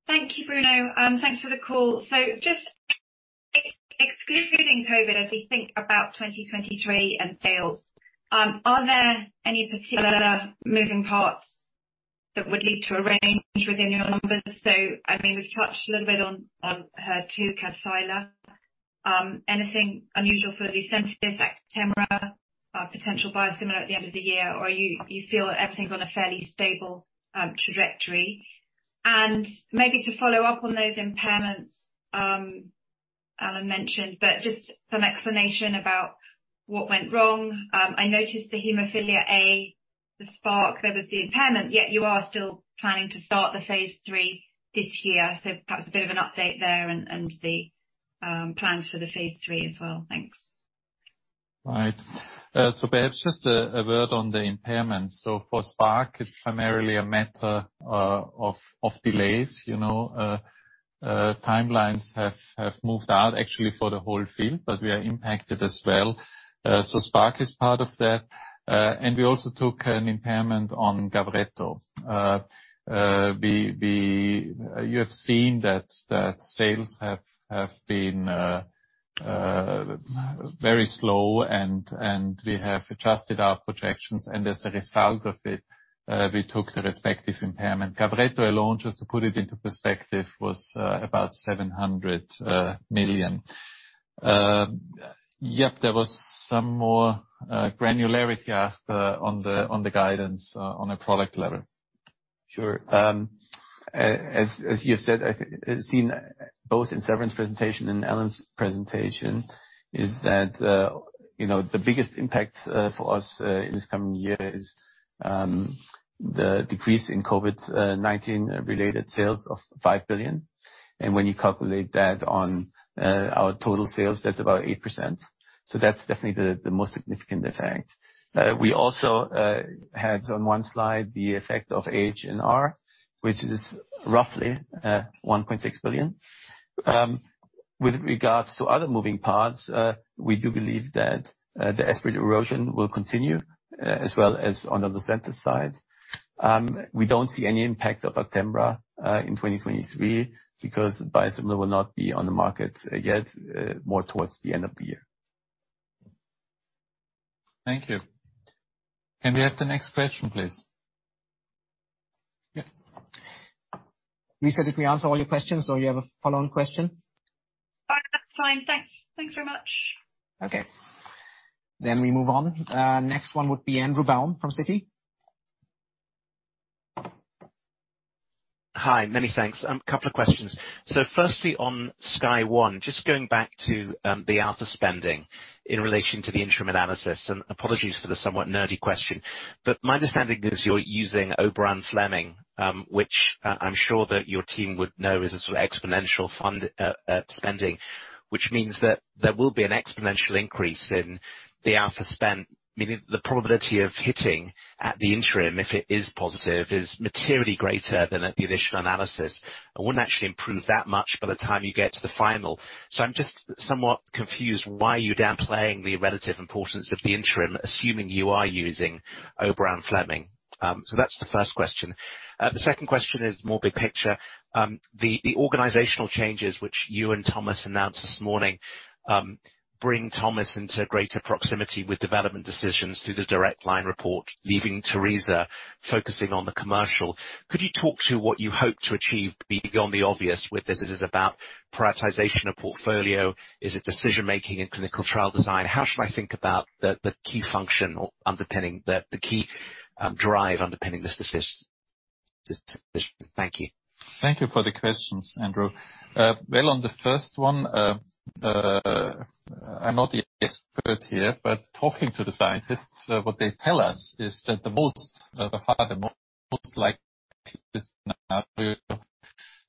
Thank you, Bruno. Thanks for the call. Excluding COVID as we think about 2023 and sales, are there any particular moving parts that would lead to a range within your numbers? I mean, we've touched a little bit on HER2, Kadcyla. Anything unusual for the sensitive Actemra, potential biosimilar at the end of the year, or you feel everything's on a fairly stable trajectory? Maybe to follow up on those impairments Alan mentioned, but just some explanation about what went wrong. I noticed the hemophilia A, the Spark, there was the impairment, yet you are still planning to start the phase III this year. Perhaps a bit of an update there and the plans for the phase III as well. Thanks. Right. Perhaps just a word on the impairments. For Spark, it's primarily a matter of delays. You know, timelines have moved out actually for the whole field, but we are impacted as well. Spark is part of that. We also took an impairment on Gavreto. You have seen that sales have been very slow and we have adjusted our projections, as a result of it, we took the respective impairment. Gavreto alone, just to put it into perspective, was about 700 million. Yep, there was some more granularity asked on the guidance on a product level. Sure. As you've said, I think, seen both in Severin's presentation and Alan's presentation, is that the biggest impact for us in this coming year is the decrease in COVID-19 related sales of 5 billion. When you calculate that on our total sales, that's about 8%. That's definitely the most significant effect. We also had on one slide the effect of HNR, which is roughly 1.6 billion. With regards to other moving parts, we do believe that the Esbriet erosion will continue as well as on Lucentis side. We don't see any impact of Actemra in 2023 because biosimilar will not be on the market yet more towards the end of the year. Thank you. Can we have the next question, please? Yeah. Luisa, did we answer all your questions or you have a follow-on question? No, that's fine. Thanks. Thanks very much. Okay. We move on. Next one would be Andrew Baum from Citi. Hi. Many thanks. Couple of questions. Firstly, on SKY-01, just going back to the alpha spending in relation to the interim analysis, and apologies for the somewhat nerdy question, but my understanding is you're using O'Brien Fleming, which, I'm sure that your team would know is a sort of exponential fund spending, which means that there will be an exponential increase in the alpha spend, meaning the probability of hitting at the interim, if it is positive, is materially greater than at the initial analysis. It wouldn't actually improve that much by the time you get to the final. I'm just somewhat confused why you're downplaying the relative importance of the interim, assuming you are using O'Brien Fleming. That's the first question. The second question is more big picture. The, the organizational changes which you and Thomas announced this morning, bring Thomas into greater proximity with development decisions through the direct line report, leaving Teresa focusing on the commercial. Could you talk to what you hope to achieve beyond the obvious with this? Is about prioritization of portfolio? Is it decision-making and clinical trial design? How should I think about the key function or underpinning the key drive underpinning this decision? Thank you. Thank you for the questions, Andrew. Well, on the first one, I'm not the expert here, but talking to the scientists, what they tell us is that the most, the far the most likely scenario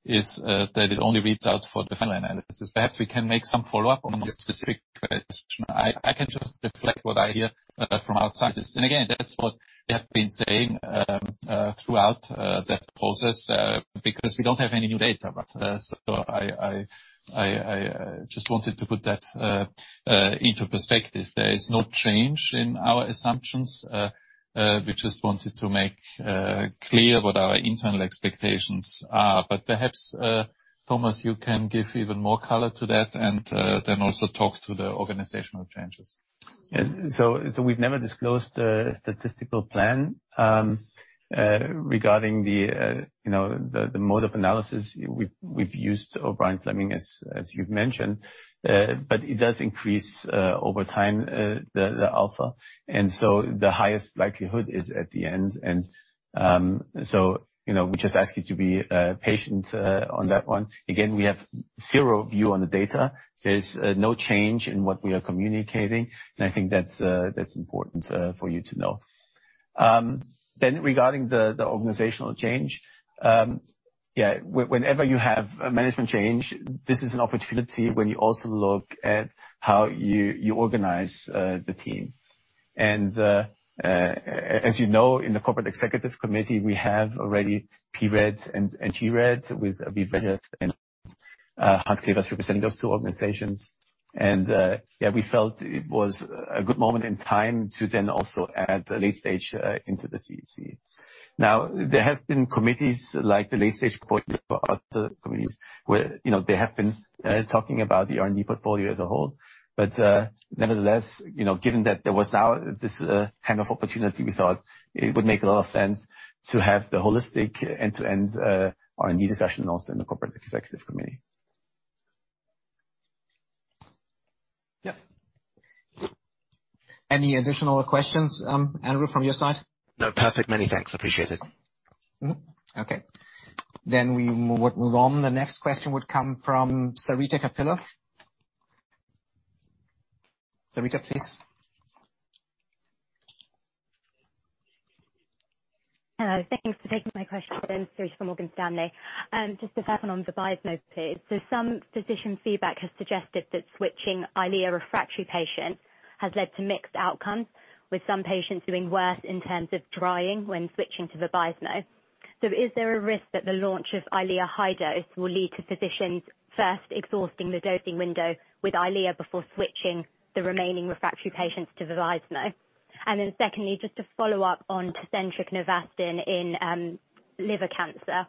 is that it only reads out for the final analysis. Perhaps we can make some follow-up on the specific question. I can just reflect what I hear from our scientists. Again, that's what they have been saying throughout that process, because we don't have any new data. I just wanted to put that into perspective. There is no change in our assumptions. We just wanted to make clear what our internal expectations are. Perhaps Thomas, you can give even more color to that and then also talk to the organizational changes. Yes. We've never disclosed statistical plan regarding the, you know, the mode of analysis. We've used O'Brien-Fleming as you've mentioned, it does increase over time the alpha. The highest likelihood is at the end. You know, we just ask you to be patient on that one. Again, we have zero view on the data. There's no change in what we are communicating, I think that's important for you to know. Regarding the organizational change, whenever you have a management change, this is an opportunity when you also look at how you organize the team. As you know, in the Corporate Executive Committee, we have already pREDs and gRED with We've added and Hans Clevers represent those two organizations. Yeah, we felt it was a good moment in time to then also add the late stage into the CEC. There have been committees like the late stage cohort of the committees where, you know, they have been talking about the R&D portfolio as a whole. Nevertheless, you know, given that there was now this kind of opportunity, we thought it would make a lot of sense to have the holistic end-to-end R&D discussion also in the Corporate Executive Committee. Yeah. Any additional questions, Andrew from your side? No. Perfect. Many thanks. Appreciate it. Okay. We would move on. The next question would come from Sarita Kapila. Sarita, please. Hello. Thanks for taking my question. Sarita from Morgan Stanley. Just the first one on Vabysmo, please. Some physician feedback has suggested that switching Eylea refractory patients has led to mixed outcomes, with some patients doing worse in terms of drying when switching to Vabysmo. Is there a risk that the launch of Eylea high dose will lead to physicians first exhausting the dosing window with Eylea before switching the remaining refractory patients to Vabysmo? Secondly, just to follow up on Tecentriq/Avastin in liver cancer,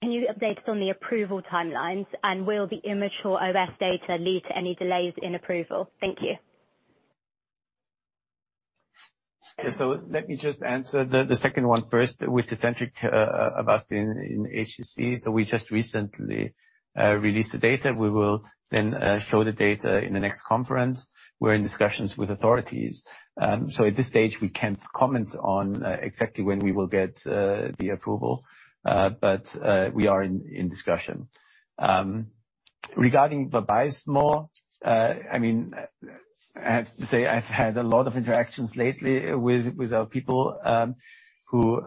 can you update us on the approval timelines? Will the immature OS data lead to any delays in approval? Thank you. Yeah. Let me just answer the second one first with Tecentriq, Avastin in HCC. We just recently released the data. We will then show the data in the next conference. We're in discussions with authorities. At this stage we can't comment on exactly when we will get the approval. We are in discussion. Regarding Vabysmo, I mean, I have to say I've had a lot of interactions lately with our people, who,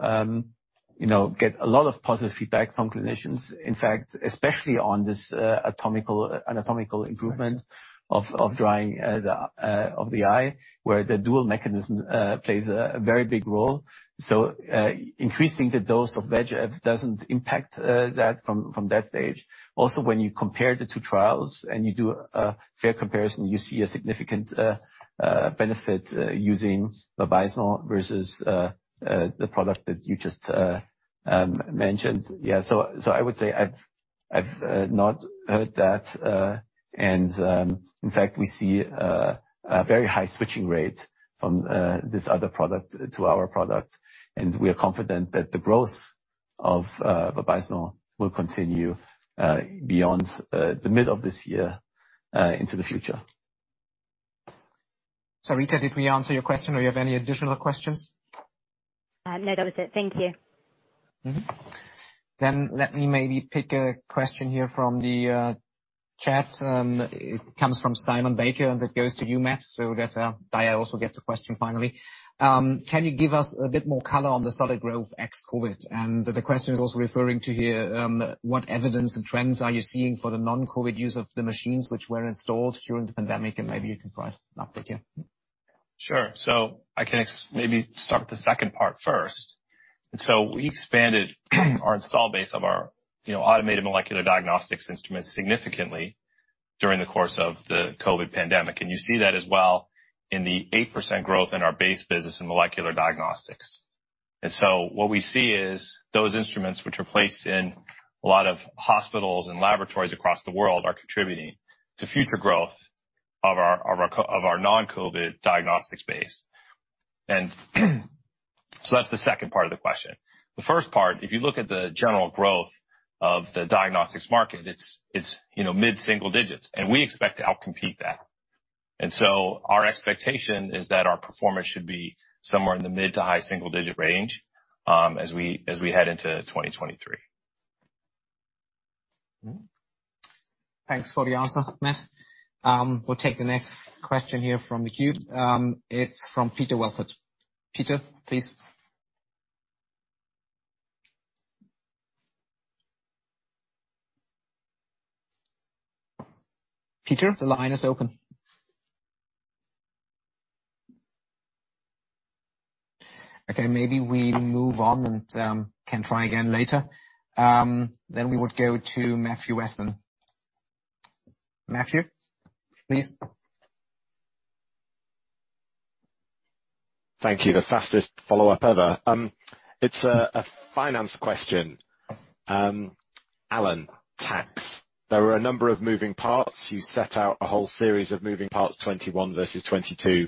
you know, get a lot of positive feedback from clinicians. In fact, especially on this anatomical improvement of drying the of the eye, where the dual mechanism plays a very big role. Increasing the dose of VEGF doesn't impact that from that stage. When you compare the two trials and you do a fair comparison, you see a significant benefit using Vabysmo versus the product that you just mentioned. Yeah. I would say I've not heard that. In fact, we see a very high switching rate from this other product to our product. We are confident that the growth of Vabysmo will continue beyond the mid of this year, into the future. Sarita, did we answer your question or you have any additional questions? No. That was it. Thank you. Let me maybe pick a question here from the chat. It comes from Simon Baker, and it goes to you, Matt. That Dyer also gets a question finally. Can you give us a bit more color on the solid growth ex COVID? The question is also referring to here, what evidence and trends are you seeing for the non-COVID use of the machines which were installed during the pandemic? Maybe you can provide an update here. Sure. I can maybe start with the second part first. We expanded our install base of our, you know, automated molecular diagnostics instruments significantly during the course of the COVID pandemic. You see that as well in the 8% growth in our base business in molecular diagnostics. What we see is those instruments which are placed in a lot of hospitals and laboratories across the world are contributing to future growth of our, of our non-COVID diagnostics base. That's the second part of the question. The first part, if you look at the general growth of the diagnostics market, it's, you know, mid-single digits, we expect to outcompete that. Our expectation is that our performance should be somewhere in the mid to high single digit range, as we head into 2023. Thanks for the answer, Matt. We'll take the next question here from the queue. It's from Peter Welford. Peter, please. Peter, the line is open. Okay, maybe we move on and can try again later. We would go to Matthew Weston. Matthew, please. Thank you. The fastest follow-up ever. It's a finance question. Alan, tax. There are a number of moving parts. You set out a whole series of moving parts, 21 versus 22.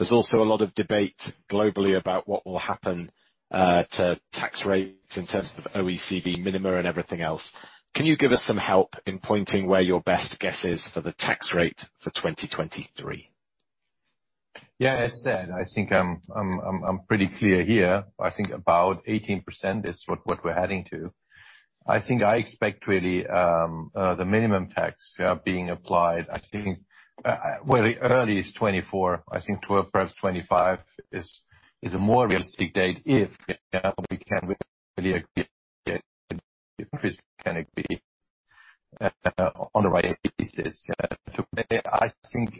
There's also a lot of debate globally about what will happen to tax rates in terms of OECD minima and everything else. Can you give us some help in pointing where your best guess is for the tax rate for 2023? Yeah, as said, I think I'm pretty clear here. I think about 18% is what we're heading to. I think I expect really the minimum tax being applied. I think, well, the earliest, 2024. I think twelve, perhaps 2025 is a more realistic date if, you know, we can really agree, increase can agree on the right pieces. Today I think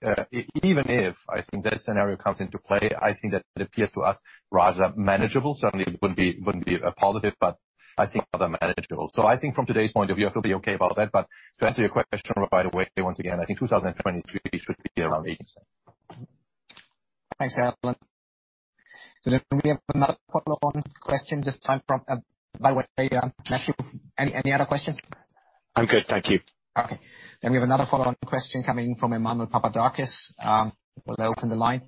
even if, I think, that scenario comes into play, I think that it appears to us rather manageable. Certainly it wouldn't be a positive, but I think rather manageable. I think from today's point of view, I feel okay about that. To answer your question, by the way, once again, I think 2023 should be around 18%. Thanks, Alan. We have another follow-on question, this time from, by the way, Matthew, any other questions? I'm good, thank you. Okay. We have another follow-on question coming from Emmanuel Papadakis. Will open the line.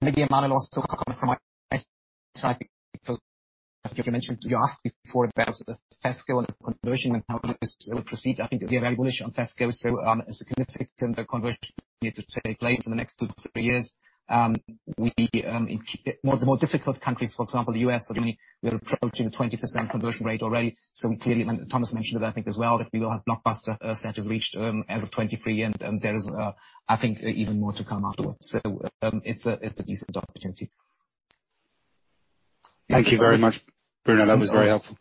Maybe Emmanuel also comment from our side because you asked before about the Phesgo and the conversion and how this will proceed. I think we have animation on Phesgo, so it's a significant conversion needed to take place in the next two to three years. We, in the more difficult countries, for example, the U.S., certainly we are approaching 20% conversion rate already. Clearly, when Thomas mentioned it, I think as well, that we will have blockbuster centers reached as of 2023, and there is I think even more to come afterwards. It's a decent opportunity. Thank you very much, Bruno. That was very helpful.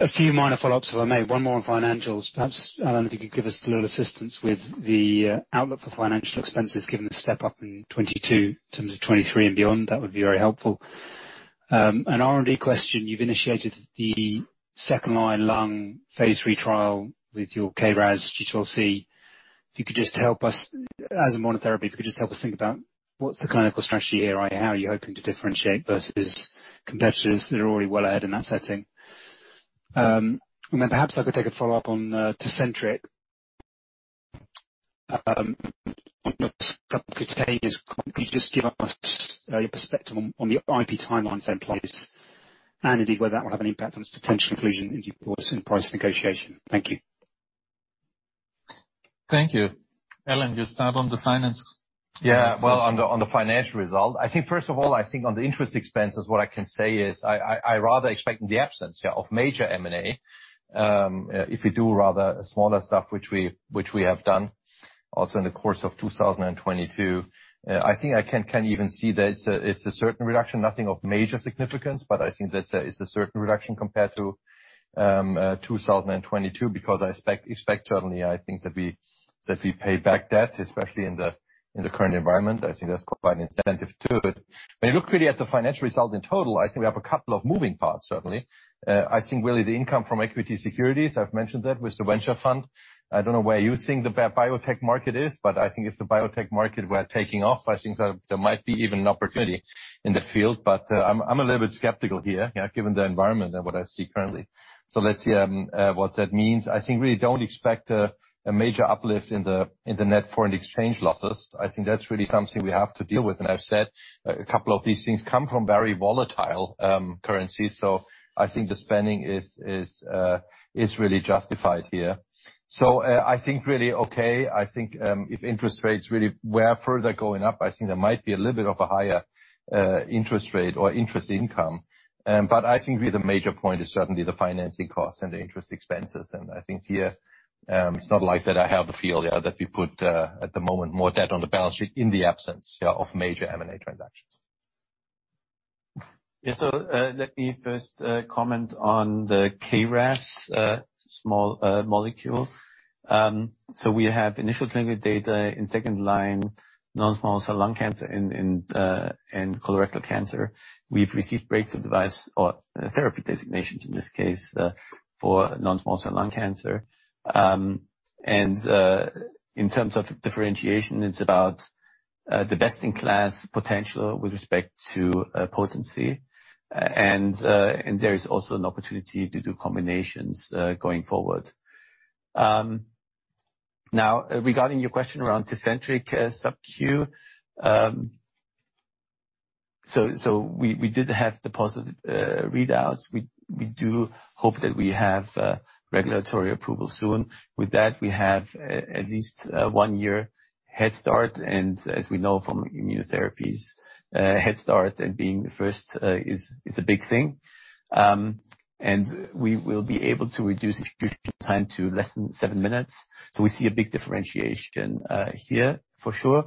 A few minor follow-ups if I may. One more on financials. Perhaps, Alan, if you could give us a little assistance with the outlook for financial expenses given the step-up in 22 in terms of 23 and beyond. That would be very helpful. An R&D question. You've initiated the second-line lung phase III trial with your KRAS G12C. As in monotherapy, if you could just help us think about what's the clinical strategy here? How are you hoping to differentiate versus competitors that are already well ahead in that setting? Perhaps I could take a follow-up on Tecentriq. On the couple of days, could you just give us your perspective on the IP timelines in place and indeed whether that will have any impact on its potential conclusion in due course in price negotiation. Thank you. Thank you. Alan, you start on the finance. Yeah. Well, on the financial result, I think first of all, I think on the interest expenses, what I can say is I rather expect in the absence, yeah, of major M&A, if we do rather smaller stuff which we have done also in the course of 2022. I think I can even see that it's a certain reduction, nothing of major significance. But I think that's a certain reduction compared to 2022, because I expect certainly I think that we pay back debt, especially in the current environment. I think that's quite an incentive to it. When you look really at the financial result in total, I think we have a couple of moving parts, certainly. I think really the income from equity securities, I've mentioned that with the Roche Venture Fund. I don't know where you think the biotech market is, I think if the biotech market were taking off, I think that there might be even an opportunity in the field. I'm a little bit skeptical here given the environment and what I see currently. Let's see what that means. I think we don't expect a major uplift in the net foreign exchange losses. I think that's really something we have to deal with. I've said a couple of these things come from very volatile currencies. I think the spending is really justified here. I think really, I think, if interest rates really were further going up, I think there might be a little bit of a higher interest rate or interest income. I think really the major point is certainly the financing costs and the interest expenses. I think here, it's not like that I have the feel that we put at the moment more debt on the balance sheet in the absence of major M&A transactions. Let me first comment on the KRAS small molecule. We have initial clinical data in second line, non-small cell lung cancer and colorectal cancer. We've received breakthrough device or therapy designations in this case for non-small cell lung cancer. In terms of differentiation, it's about the best in class potential with respect to potency. There is also an opportunity to do combinations going forward. Now regarding your question around Tecentriq sub-Q. So we did have the positive readouts. We do hope that we have regulatory approval soon. With that, we have at least one year head start. As we know from immunotherapies, head start and being the first is a big thing. We will be able to reduce infusion time to less than seven minutes. We see a big differentiation here for sure.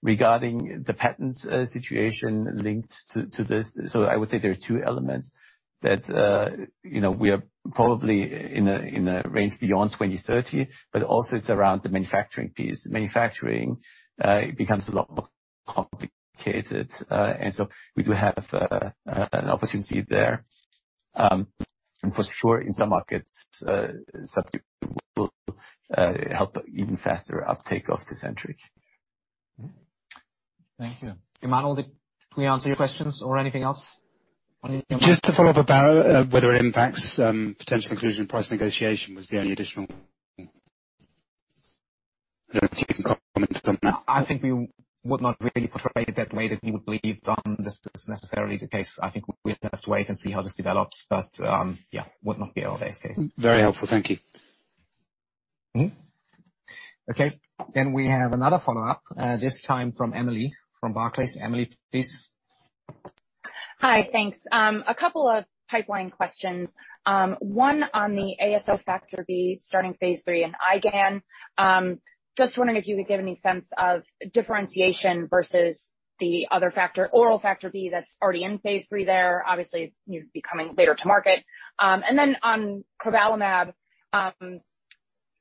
Regarding the patent situation linked to this. I would say there are two elements that, you know, we are probably in a range beyond 2030, but also it's around the manufacturing piece. Manufacturing, it becomes a lot more complicated. We do have an opportunity there. For sure in some markets, sub Q will help even faster uptake of Tecentriq. Thank you. Emmanuel, did we answer your questions or anything else? Just to follow up about, whether it impacts, potential inclusion in price negotiation was the only additional. If you can comment on that? I think we would not really portray it that way, that we would believe, this is necessarily the case. I think we have to wait and see how this develops. Yeah, would not be our base case. Very helpful. Thank you. Okay. We have another follow-up, this time from Emily, from Barclays. Emily, please. Hi. Thanks. A couple of pipeline questions. One on the ASL Factor B starting phase III and IgAN. Just wondering if you could give any sense of differentiation versus the other Factor, oral Factor B that's already in phase III there. Obviously, you'd be coming later to market. Then on crovalimab,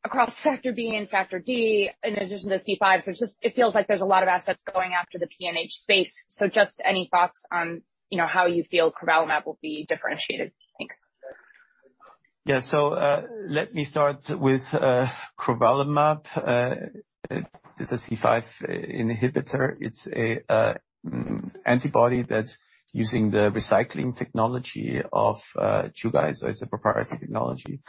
across Factor B and Factor D in addition to C5. It's just, it feels like there's a lot of assets going after the PNH space. Just any thoughts on, you know, how you feel crovalimab will be differentiated? Thanks. Yeah. Let me start with crovalimab, it's a C5 inhibitor. It's a antibody that's using the recycling technology of you guys as a proprietary technology.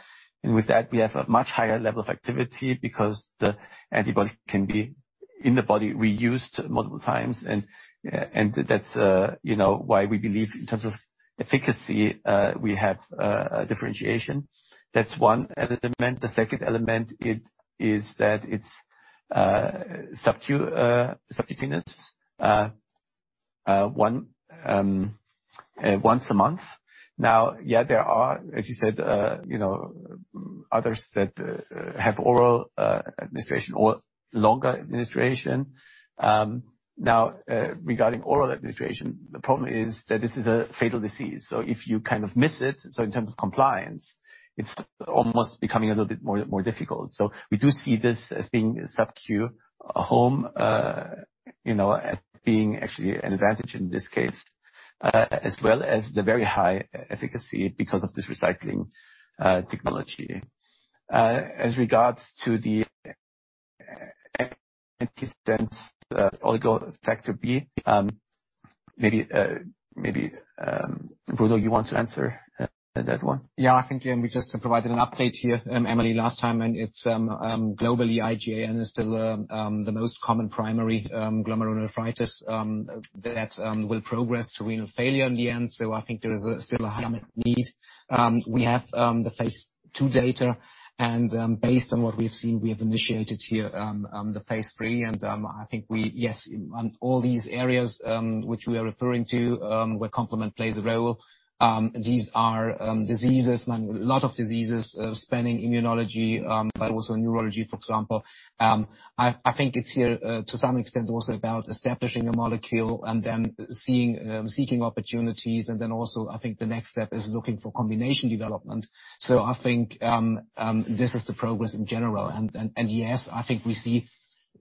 With that, we have a much higher level of activity because the antibody can be in the body reused multiple times. That's, you know, why we believe in terms of efficacy, we have a differentiation. That's one element. The second element it is that it's subcutaneous, one, once a month. Yeah, there are, as you said, you know, others that have oral administration or longer administration. Regarding oral administration, the problem is that this is a fatal disease, so if you kind of miss it, so in terms of compliance, it's almost becoming a little bit more, more difficult. We do see this as being sub-Q home, you know, as being actually an advantage in this case, as well as the very high efficacy because of this recycling technology. Yeah, I think, Bruno you want to answer that one? We just provided an update here, Emily, last time, and it's globally IgAN is still the most common primary glomerulonephritis that will progress to renal failure in the end. I think there is still a high unmet need. We have the phase II data, and based on what we've seen, we have initiated here the phase III. I think Yes, on all these areas which we are referring to, where complement plays a role, these are diseases, a lot of diseases, spanning immunology, but also neurology, for example. I think it's here, to some extent, also about establishing a molecule and then seeking opportunities. Also, I think the next step is looking for combination development. I think, this is the progress in general. Yes, I think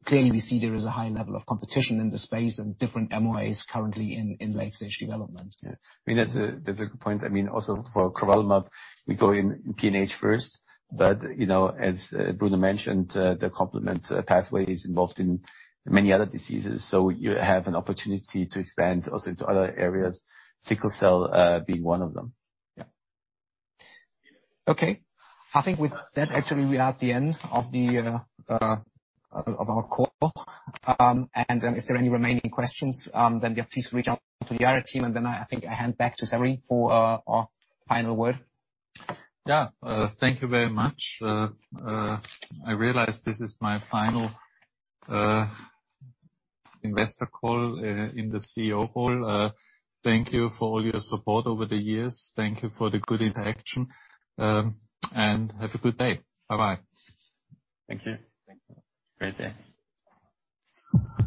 clearly, we see there is a high level of competition in the space and different MOA currently in late-stage development. Yeah. I mean, that's a good point. I mean, also for crovalimab, we go in PNH first. You know, as Bruno mentioned, the complement pathway is involved in many other diseases, so you have an opportunity to expand also into other areas, sickle cell, being one of them. Yeah. Okay. I think with that, actually, we are at the end of our call. If there are any remaining questions, then yeah, please reach out to the IR team. I think I hand back to Severin for our final word. Yeah. Thank you very much. I realize this is my final investor call in the CEO role. Thank you for all your support over the years. Thank you for the good interaction, and have a good day. Bye-bye. Thank you. Thank you. Great day.